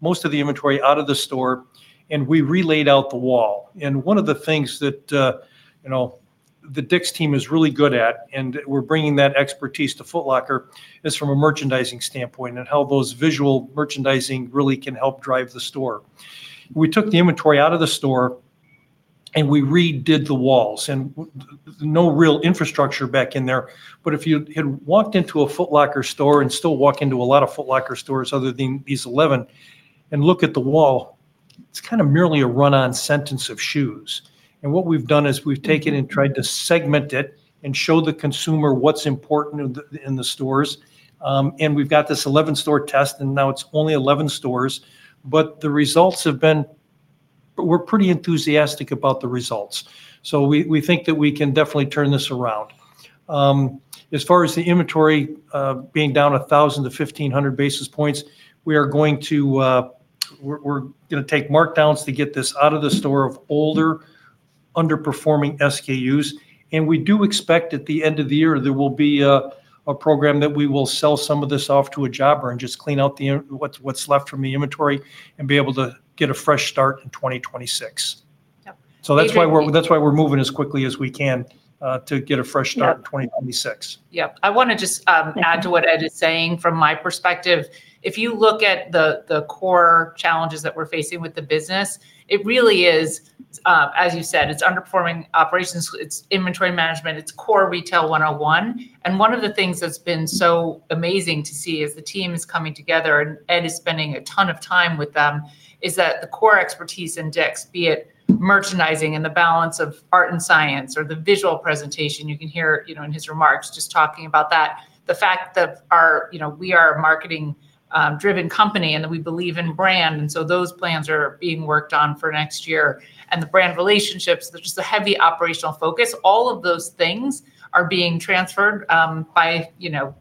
most of the inventory out of the store, and we relayed out the wall. One of the things that the DICK'S team is really good at, and we're bringing that expertise to Foot Locker, is from a merchandising standpoint and how those visual merchandising really can help drive the store. We took the inventory out of the store, and we redid the walls. No real infrastructure back in there. If you had walked into a Foot Locker store and still walk into a lot of Foot Locker stores other than these 11 and look at the wall, it's kind of merely a run-on sentence of shoes. What we've done is we've taken and tried to segment it and show the consumer what's important in the stores. We've got this 11-store test, and now it's only 11 stores. The results have been—we're pretty enthusiastic about the results. We think that we can definitely turn this around. As far as the inventory being down 1,000-1,500 basis points, we are going to take markdowns to get this out of the store of older underperforming SKUs. We do expect at the end of the year there will be a program that we will sell some of this off to a jobber and just clean out what's left from the inventory and be able to get a fresh start in 2026. That's why we're moving as quickly as we can to get a fresh start in 2026. Yep. I want to just add to what Ed is saying. From my perspective, if you look at the core challenges that we're facing with the business, it really is, as you said, it's underperforming operations, it's inventory management, it's core retail 101. One of the things that's been so amazing to see as the team is coming together and Ed is spending a ton of time with them is that the core expertise in DICK'S, be it merchandising and the balance of art and science or the visual presentation, you can hear in his remarks just talking about that, the fact that we are a marketing-driven company and that we believe in brand. Those plans are being worked on for next year. The brand relationships, there's just a heavy operational focus. All of those things are being transferred by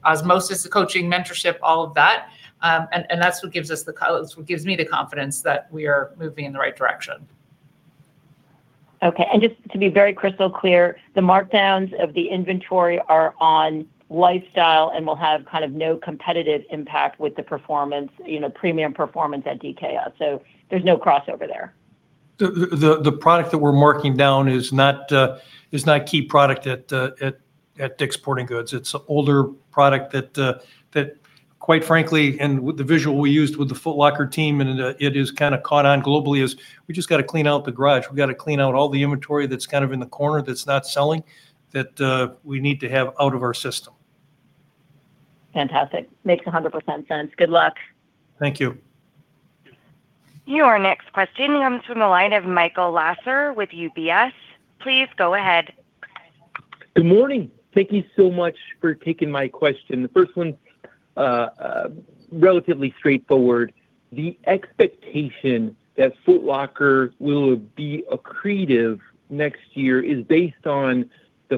osmosis, the coaching, mentorship, all of that. That is what gives us the—what gives me the confidence that we are moving in the right direction. Okay. Just to be very crystal clear, the markdowns of the inventory are on lifestyle and will have kind of no competitive impact with the performance, premium performance at DKS. There is no crossover there. The product that we are marking down is not a key product at DICK'S Sporting Goods. It is an older product that, quite frankly, and the visual we used with the Foot Locker team and it has kind of caught on globally is we just got to clean out the garage. We got to clean out all the inventory that is kind of in the corner that is not selling that we need to have out of our system. Fantastic. Makes 100% sense. Good luck. Thank you. Your next question comes from the line of Michael Lasser with UBS. Please go ahead. Good morning. Thank you so much for taking my question. The first one's relatively straightforward. The expectation that Foot Locker will be accretive next year is based on the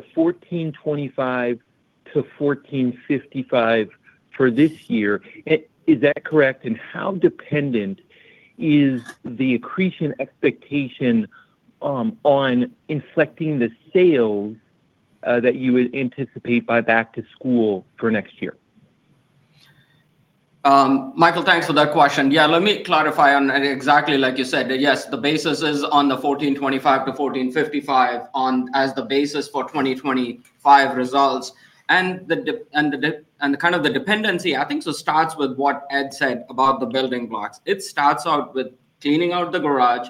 $1,425-$1,455 for this year. Is that correct? How dependent is the accretion expectation on inflecting the sales that you would anticipate by back to school for next year? Michael, thanks for that question. Yeah. Let me clarify on exactly like you said. Yes, the basis is on the $1,425-$1,455 as the basis for 2025 results. The dependency, I think, starts with what Ed said about the building blocks. It starts out with cleaning out the garage,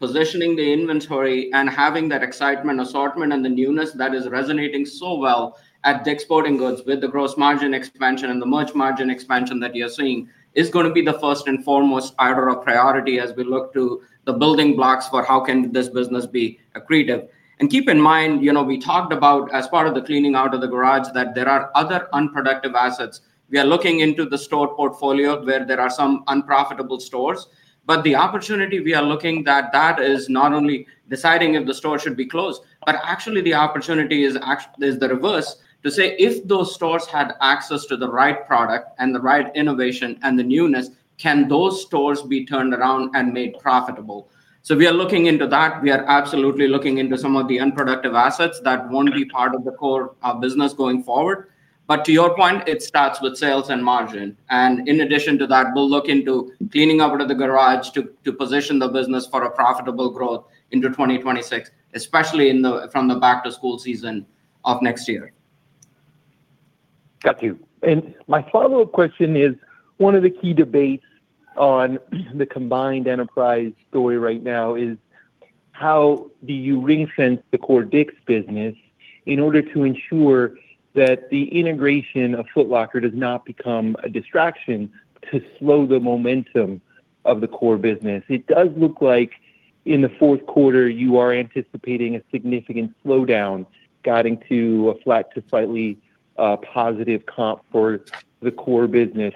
positioning the inventory, and having that excitement assortment and the newness that is resonating so well at DICK'S Sporting Goods with the gross margin expansion and the merch margin expansion that you're seeing is going to be the first and foremost spider of priority as we look to the building blocks for how can this business be accretive. Keep in mind, we talked about as part of the cleaning out of the garage that there are other unproductive assets. We are looking into the store portfolio where there are some unprofitable stores. The opportunity we are looking at is not only deciding if the store should be closed, but actually the opportunity is the reverse to say if those stores had access to the right product and the right innovation and the newness, can those stores be turned around and made profitable? We are looking into that. We are absolutely looking into some of the unproductive assets that will not be part of the core business going forward. To your point, it starts with sales and margin. In addition to that, we will look into cleaning out of the garage to position the business for profitable growth into 2026, especially from the back to school season of next year. Got you. My follow-up question is one of the key debates on the combined enterprise story right now is how do you ring-fence the core DICK'S business in order to ensure that the integration of Foot Locker does not become a distraction to slow the momentum of the core business? It does look like in the fourth quarter, you are anticipating a significant slowdown guiding to a flat to slightly positive comp for the core business.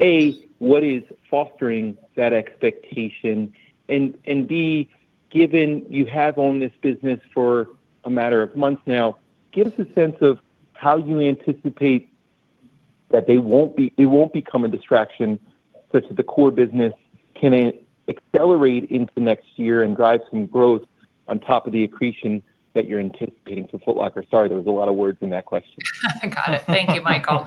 A, what is fostering that expectation? B, given you have owned this business for a matter of months now, give us a sense of how you anticipate that they won't become a distraction such that the core business can accelerate into next year and drive some growth on top of the accretion that you're anticipating for Foot Locker. Sorry, there was a lot of words in that question. I got it. Thank you, Michael.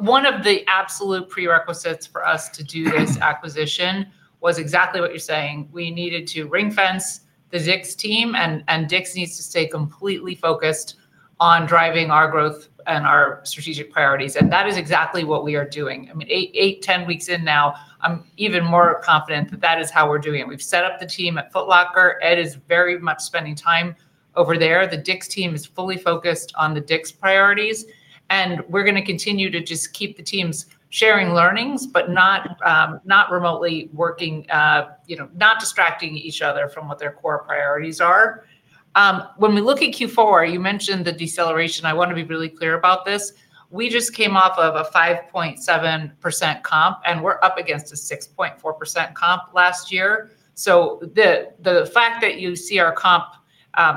One of the absolute prerequisites for us to do this acquisition was exactly what you're saying. We needed to ring-fence the DICK'S team, and DICK'S needs to stay completely focused on driving our growth and our strategic priorities. That is exactly what we are doing. I mean, eight, ten weeks in now, I'm even more confident that that is how we're doing it. We've set up the team at Foot Locker. Ed is very much spending time over there. The DICK'S team is fully focused on the DICK'S priorities. We're going to continue to just keep the teams sharing learnings, but not remotely working, not distracting each other from what their core priorities are. When we look at Q4, you mentioned the deceleration. I want to be really clear about this. We just came off of a 5.7% comp, and we're up against a 6.4% comp last year. The fact that you see our comp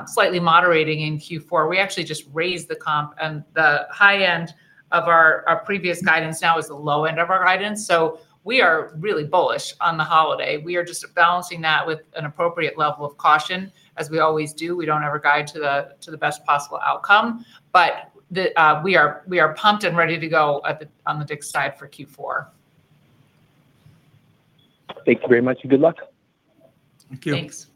slightly moderating in Q4, we actually just raised the comp. The high end of our previous guidance now is the low end of our guidance. We are really bullish on the holiday. We are just balancing that with an appropriate level of caution, as we always do. We do not ever guide to the best possible outcome. We are pumped and ready to go on the DICK'S side for Q4. Thank you very much. Good luck. Thank you. Thanks.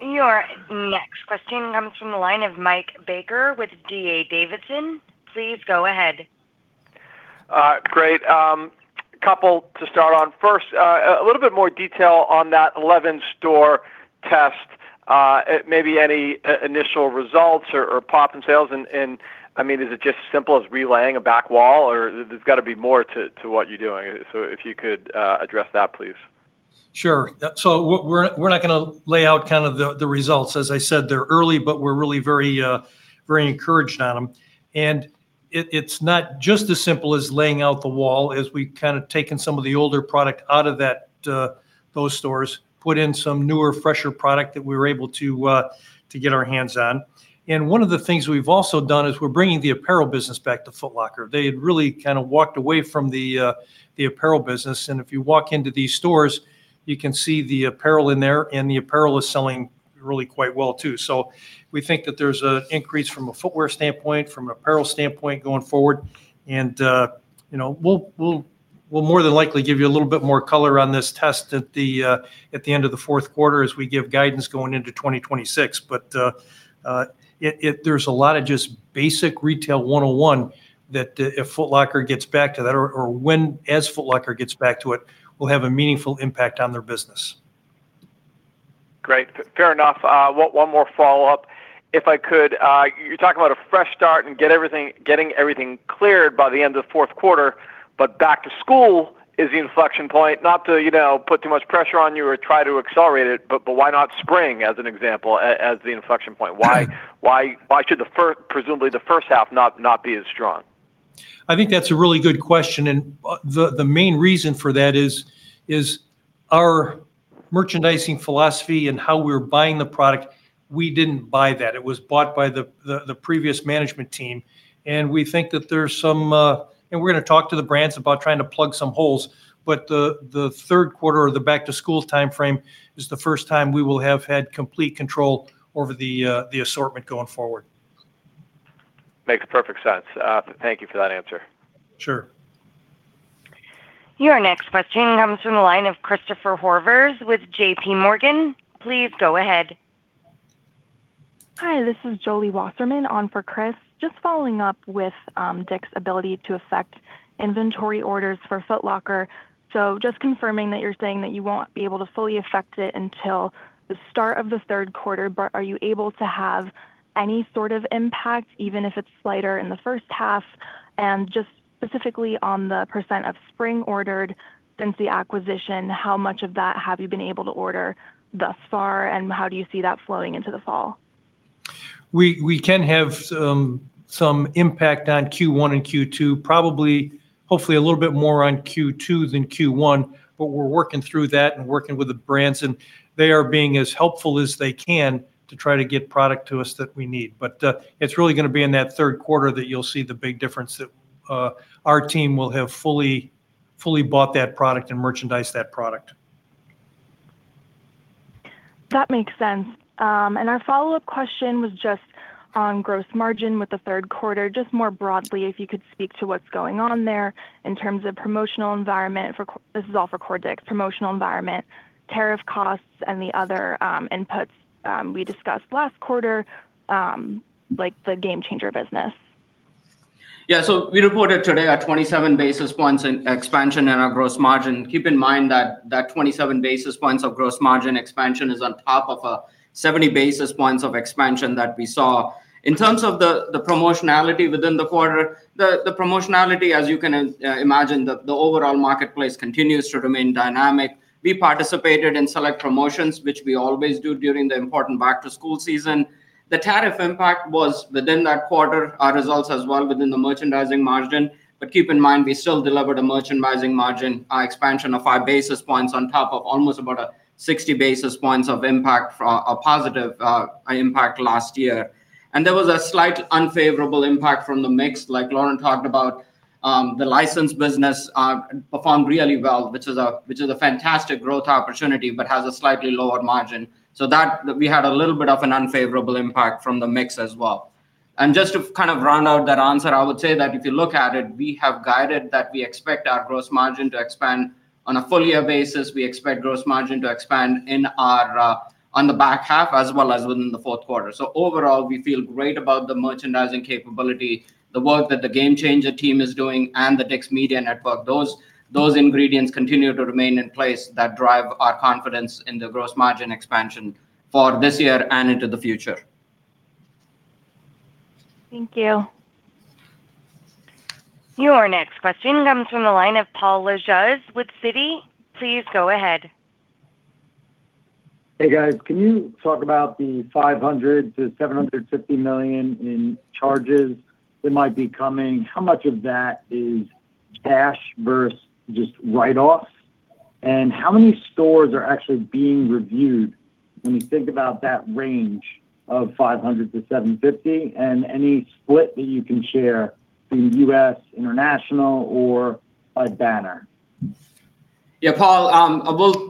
Your next question comes from the line of Mike Baker with DA Davidson. Please go ahead. Great. Couple to start on. First, a little bit more detail on that 11-store test. Maybe any initial results or pop in sales? I mean, is it just as simple as relaying a back wall, or there's got to be more to what you're doing? If you could address that, please. Sure. We're not going to lay out kind of the results. As I said, they're early, but we're really very encouraged on them. It's not just as simple as laying out the wall as we have taken some of the older product out of those stores, put in some newer, fresher product that we were able to get our hands on. One of the things we've also done is we're bringing the apparel business back to Foot Locker. They had really kind of walked away from the apparel business. If you walk into these stores, you can see the apparel in there, and the apparel is selling really quite well too. We think that there's an increase from a footwear standpoint, from an apparel standpoint going forward. We'll more than likely give you a little bit more color on this test at the end of the fourth quarter as we give guidance going into 2026. There is a lot of just basic retail 101 that if Foot Locker gets back to that or when Foot Locker gets back to it, will have a meaningful impact on their business. Great. Fair enough. One more follow-up, if I could. You're talking about a fresh start and getting everything cleared by the end of the fourth quarter, but back to school is the inflection point. Not to put too much pressure on you or try to accelerate it, why not spring as an example as the inflection point? Why should presumably the first half not be as strong? I think that's a really good question. The main reason for that is our merchandising philosophy and how we're buying the product, we didn't buy that. It was bought by the previous management team. We think that there's some—we're going to talk to the brands about trying to plug some holes—but the third quarter or the back to school timeframe is the first time we will have had complete control over the assortment going forward. Makes perfect sense. Thank you for that answer. Sure. Your next question comes from the line of Christopher Horvers with JP Morgan. Please go ahead. Hi. This is Jolie Wasserman on for Chris. Just following up with DICK'S ability to affect inventory orders for Foot Locker. Just confirming that you're saying that you won't be able to fully affect it until the start of the third quarter, but are you able to have any sort of impact, even if it's slighter in the first half? Specifically on the percent of spring ordered since the acquisition, how much of that have you been able to order thus far, and how do you see that flowing into the fall? We can have some impact on Q1 and Q2, probably hopefully a little bit more on Q2 than Q1, but we're working through that and working with the brands. They are being as helpful as they can to try to get product to us that we need. It is really going to be in that third quarter that you'll see the big difference that our team will have fully bought that product and merchandised that product. That makes sense. Our follow-up question was just on gross margin with the third quarter. Just more broadly, if you could speak to what's going on there in terms of promotional environment—this is all for Core DICK'S—promotional environment, tariff costs, and the other inputs we discussed last quarter, like the GameChanger business. Yeah. We reported today a 27 basis points expansion in our gross margin. Keep in mind that that 27 basis points of gross margin expansion is on top of a 70 basis points of expansion that we saw. In terms of the promotionality within the quarter, the promotionality, as you can imagine, the overall marketplace continues to remain dynamic. We participated in select promotions, which we always do during the important back to school season. The tariff impact was within that quarter, our results as well within the merchandising margin. Keep in mind, we still delivered a merchandising margin expansion of five basis points on top of almost about a 60 basis points of impact, a positive impact last year. There was a slight unfavorable impact from the mix, like Lauren talked about. The license business performed really well, which is a fantastic growth opportunity, but has a slightly lower margin. We had a little bit of an unfavorable impact from the mix as well. Just to kind of round out that answer, I would say that if you look at it, we have guided that we expect our gross margin to expand on a full year basis. We expect gross margin to expand on the back half as well as within the fourth quarter. Overall, we feel great about the merchandising capability, the work that the GameChanger team is doing, and the DICK'S Media Network. Those ingredients continue to remain in place that drive our confidence in the gross margin expansion for this year and into the future. Thank you. Your next question comes from the line of Paul Lejuez with Citi. Please go ahead. Hey, guys. Can you talk about the $500 million-$750 million in charges that might be coming? How much of that is cash versus just write-offs? How many stores are actually being reviewed when you think about that range of $500 million-$750 million? Any split that you can share in U.S., international, or by banner? Yeah, Paul,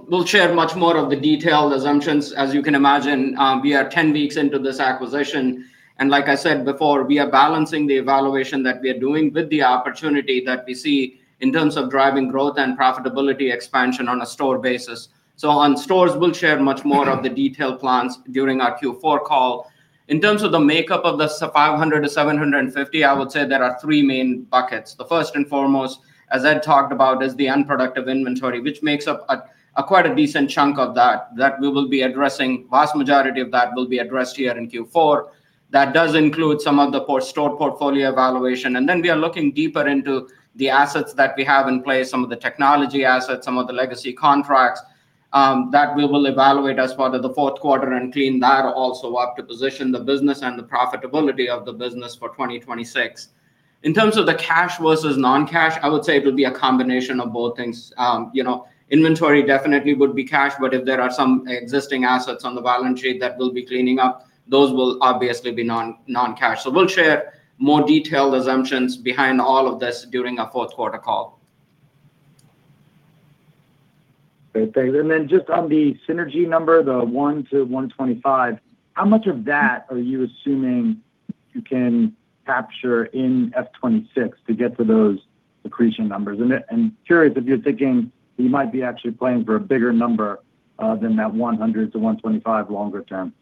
we'll share much more of the detailed assumptions. As you can imagine, we are 10 weeks into this acquisition. Like I said before, we are balancing the evaluation that we are doing with the opportunity that we see in terms of driving growth and profitability expansion on a store basis. On stores, we'll share much more of the detailed plans during our Q4 call. In terms of the makeup of the $500 million-$750 million, I would say there are three main buckets. The first and foremost, as Ed talked about, is the unproductive inventory, which makes up quite a decent chunk of that. That we will be addressing. The vast majority of that will be addressed here in Q4. That does include some of the store portfolio evaluation. We are looking deeper into the assets that we have in place, some of the technology assets, some of the legacy contracts that we will evaluate as part of the fourth quarter and clean that also up to position the business and the profitability of the business for 2026. In terms of the cash versus non-cash, I would say it will be a combination of both things. Inventory definitely would be cash, but if there are some existing assets on the balance sheet that we'll be cleaning up, those will obviously be non-cash. We will share more detailed assumptions behind all of this during our fourth quarter call. Great. Thanks. Just on the synergy number, the $1 to $125, how much of that are you assuming you can capture in fiscal 2026 to get to those accretion numbers? Curious if you're thinking you might be actually playing for a bigger number than that $100 million-$125 million longer term.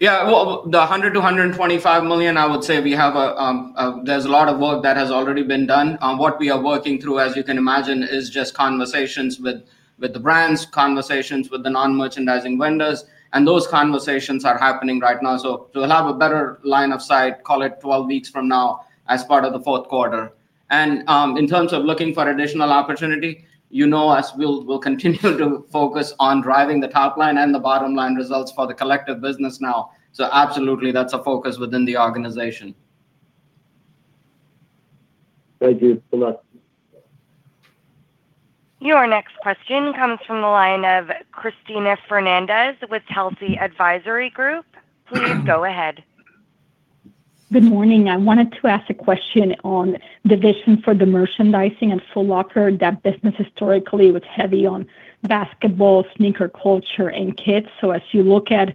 The $100 million-$125 million, I would say we have a lot of work that has already been done. What we are working through, as you can imagine, is just conversations with the brands, conversations with the non-merchandising vendors. Those conversations are happening right now. To have a better line of sight, call it twelve weeks from now as part of the fourth quarter. In terms of looking for additional opportunity, you know us. We'll continue to focus on driving the top line and the bottom line results for the collective business now. Absolutely, that's a focus within the organization. Thank you. Good luck. Your next question comes from the line of Cristina Fernandez with Telsey Advisory Group. Please go ahead. Good morning. I wanted to ask a question on the vision for the merchandising and Foot Locker. That business historically was heavy on basketball, sneaker culture, and kids. As you look at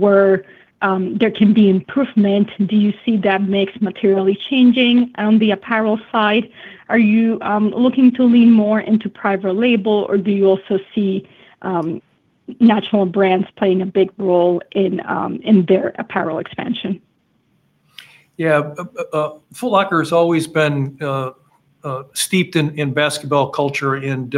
where there can be improvement, do you see that mix materially changing on the apparel side? Are you looking to lean more into private label, or do you also see national brands playing a big role in their apparel expansion? Yeah. Foot Locker has always been steeped in basketball culture, and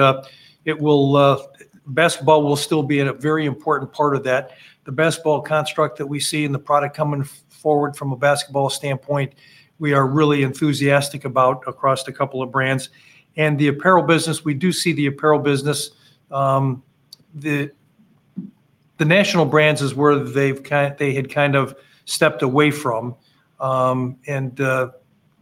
basketball will still be a very important part of that. The basketball construct that we see in the product coming forward from a basketball standpoint, we are really enthusiastic about across a couple of brands. The apparel business, we do see the apparel business. The national brands is where they had kind of stepped away from and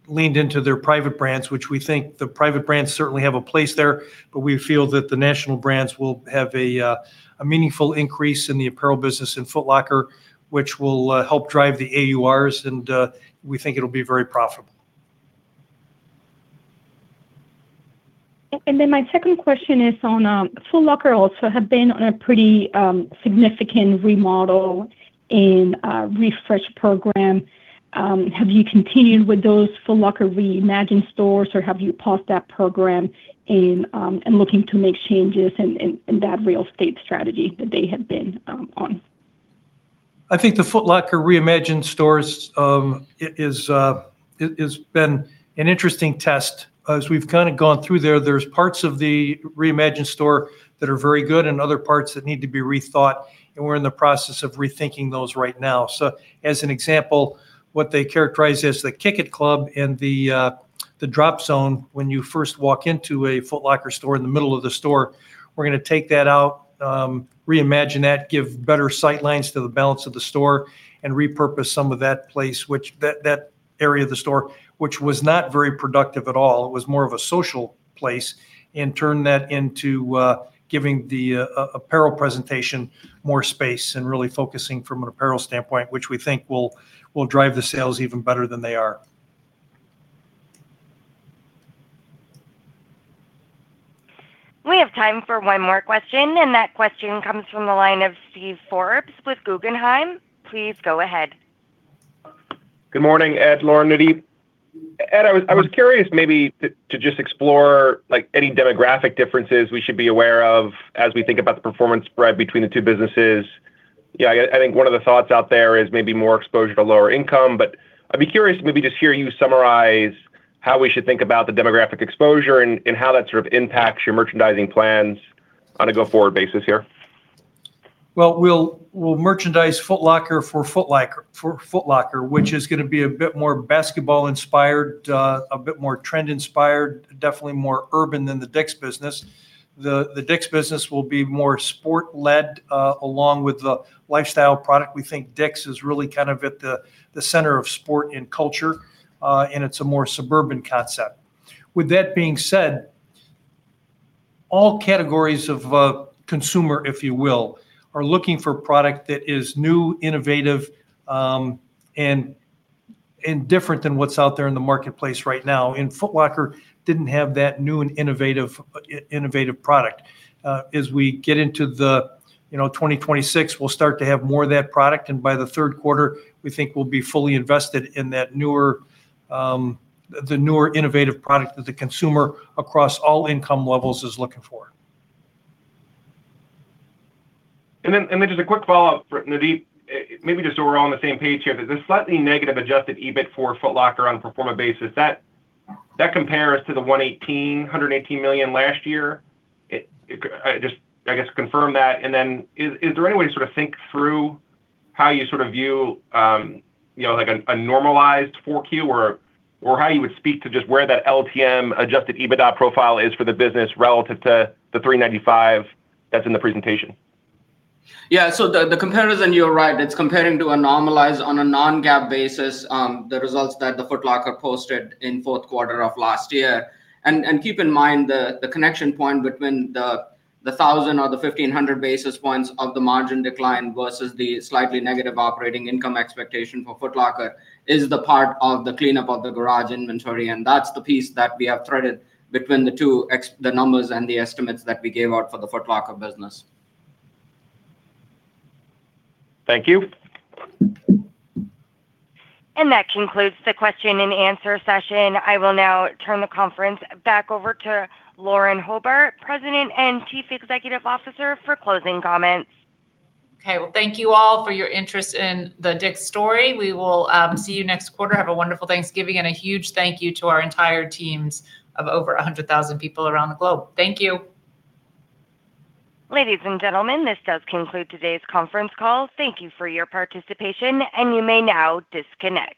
leaned into their private brands, which we think the private brands certainly have a place there. We feel that the national brands will have a meaningful increase in the apparel business in Foot Locker, which will help drive the AURs, and we think it'll be very profitable. My second question is on Foot Locker also have been on a pretty significant remodel and refresh program. Have you continued with those Foot Locker reimagined stores, or have you paused that program and looking to make changes in that real estate strategy that they have been on? I think the Foot Locker reimagined stores has been an interesting test. As we've kind of gone through there, there's parts of the reimagined store that are very good and other parts that need to be rethought. We're in the process of rethinking those right now. For example, what they characterize as the kick-it club and the drop zone, when you first walk into a Foot Locker store in the middle of the store, we're going to take that out, reimagine that, give better sight lines to the balance of the store, and repurpose some of that place, that area of the store, which was not very productive at all. It was more of a social place and turn that into giving the apparel presentation more space and really focusing from an apparel standpoint, which we think will drive the sales even better than they are. We have time for one more question. That question comes from the line of Steve Forbes with Guggenheim. Please go ahead. Good morning, Ed. Lauren, Navdeep. Ed, I was curious maybe to just explore any demographic differences we should be aware of as we think about the performance spread between the two businesses. Yeah, I think one of the thoughts out there is maybe more exposure to lower income. I'd be curious to maybe just hear you summarize how we should think about the demographic exposure and how that sort of impacts your merchandising plans on a go-forward basis here. We'll merchandise Foot Locker for Foot Locker, which is going to be a bit more basketball-inspired, a bit more trend-inspired, definitely more urban than the DICK'S business. The DICK'S business will be more sport-led along with the lifestyle product. We think DICK'S is really kind of at the center of sport and culture, and it's a more suburban concept. With that being said, all categories of consumer, if you will, are looking for product that is new, innovative, and different than what's out there in the marketplace right now. Foot Locker didn't have that new and innovative product. As we get into 2026, we'll start to have more of that product. By the third quarter, we think we'll be fully invested in the newer innovative product that the consumer across all income levels is looking for. Just a quick follow-up, Navdeep, maybe just so we're on the same page here, there's a slightly negative adjusted EBIT for Foot Locker on a pro forma basis. That compares to the $118 million last year. I guess confirm that. Is there any way to sort of think through how you sort of view a normalized 4Q or how you would speak to just where that LTM adjusted EBITDA profile is for the business relative to the 395 that's in the presentation? Yeah. The comparison, you're right, it's comparing to a normalized on a non-GAAP basis, the results that Foot Locker posted in fourth quarter of last year. Keep in mind the connection point between the 1,000 or the 1,500 basis points of the margin decline versus the slightly negative operating income expectation for Foot Locker is the part of the cleanup of the garage inventory. That's the piece that we have threaded between the two, the numbers and the estimates that we gave out for the Foot Locker business. Thank you. That concludes the question and answer session. I will now turn the conference back over to Lauren Hobart, President and Chief Executive Officer, for closing comments. Okay. Thank you all for your interest in the DICK'S story. We will see you next quarter. Have a wonderful Thanksgiving and a huge thank you to our entire teams of over 100,000 people around the globe. Thank you. Ladies and gentlemen, this does conclude today's conference call. Thank you for your participation, and you may now disconnect.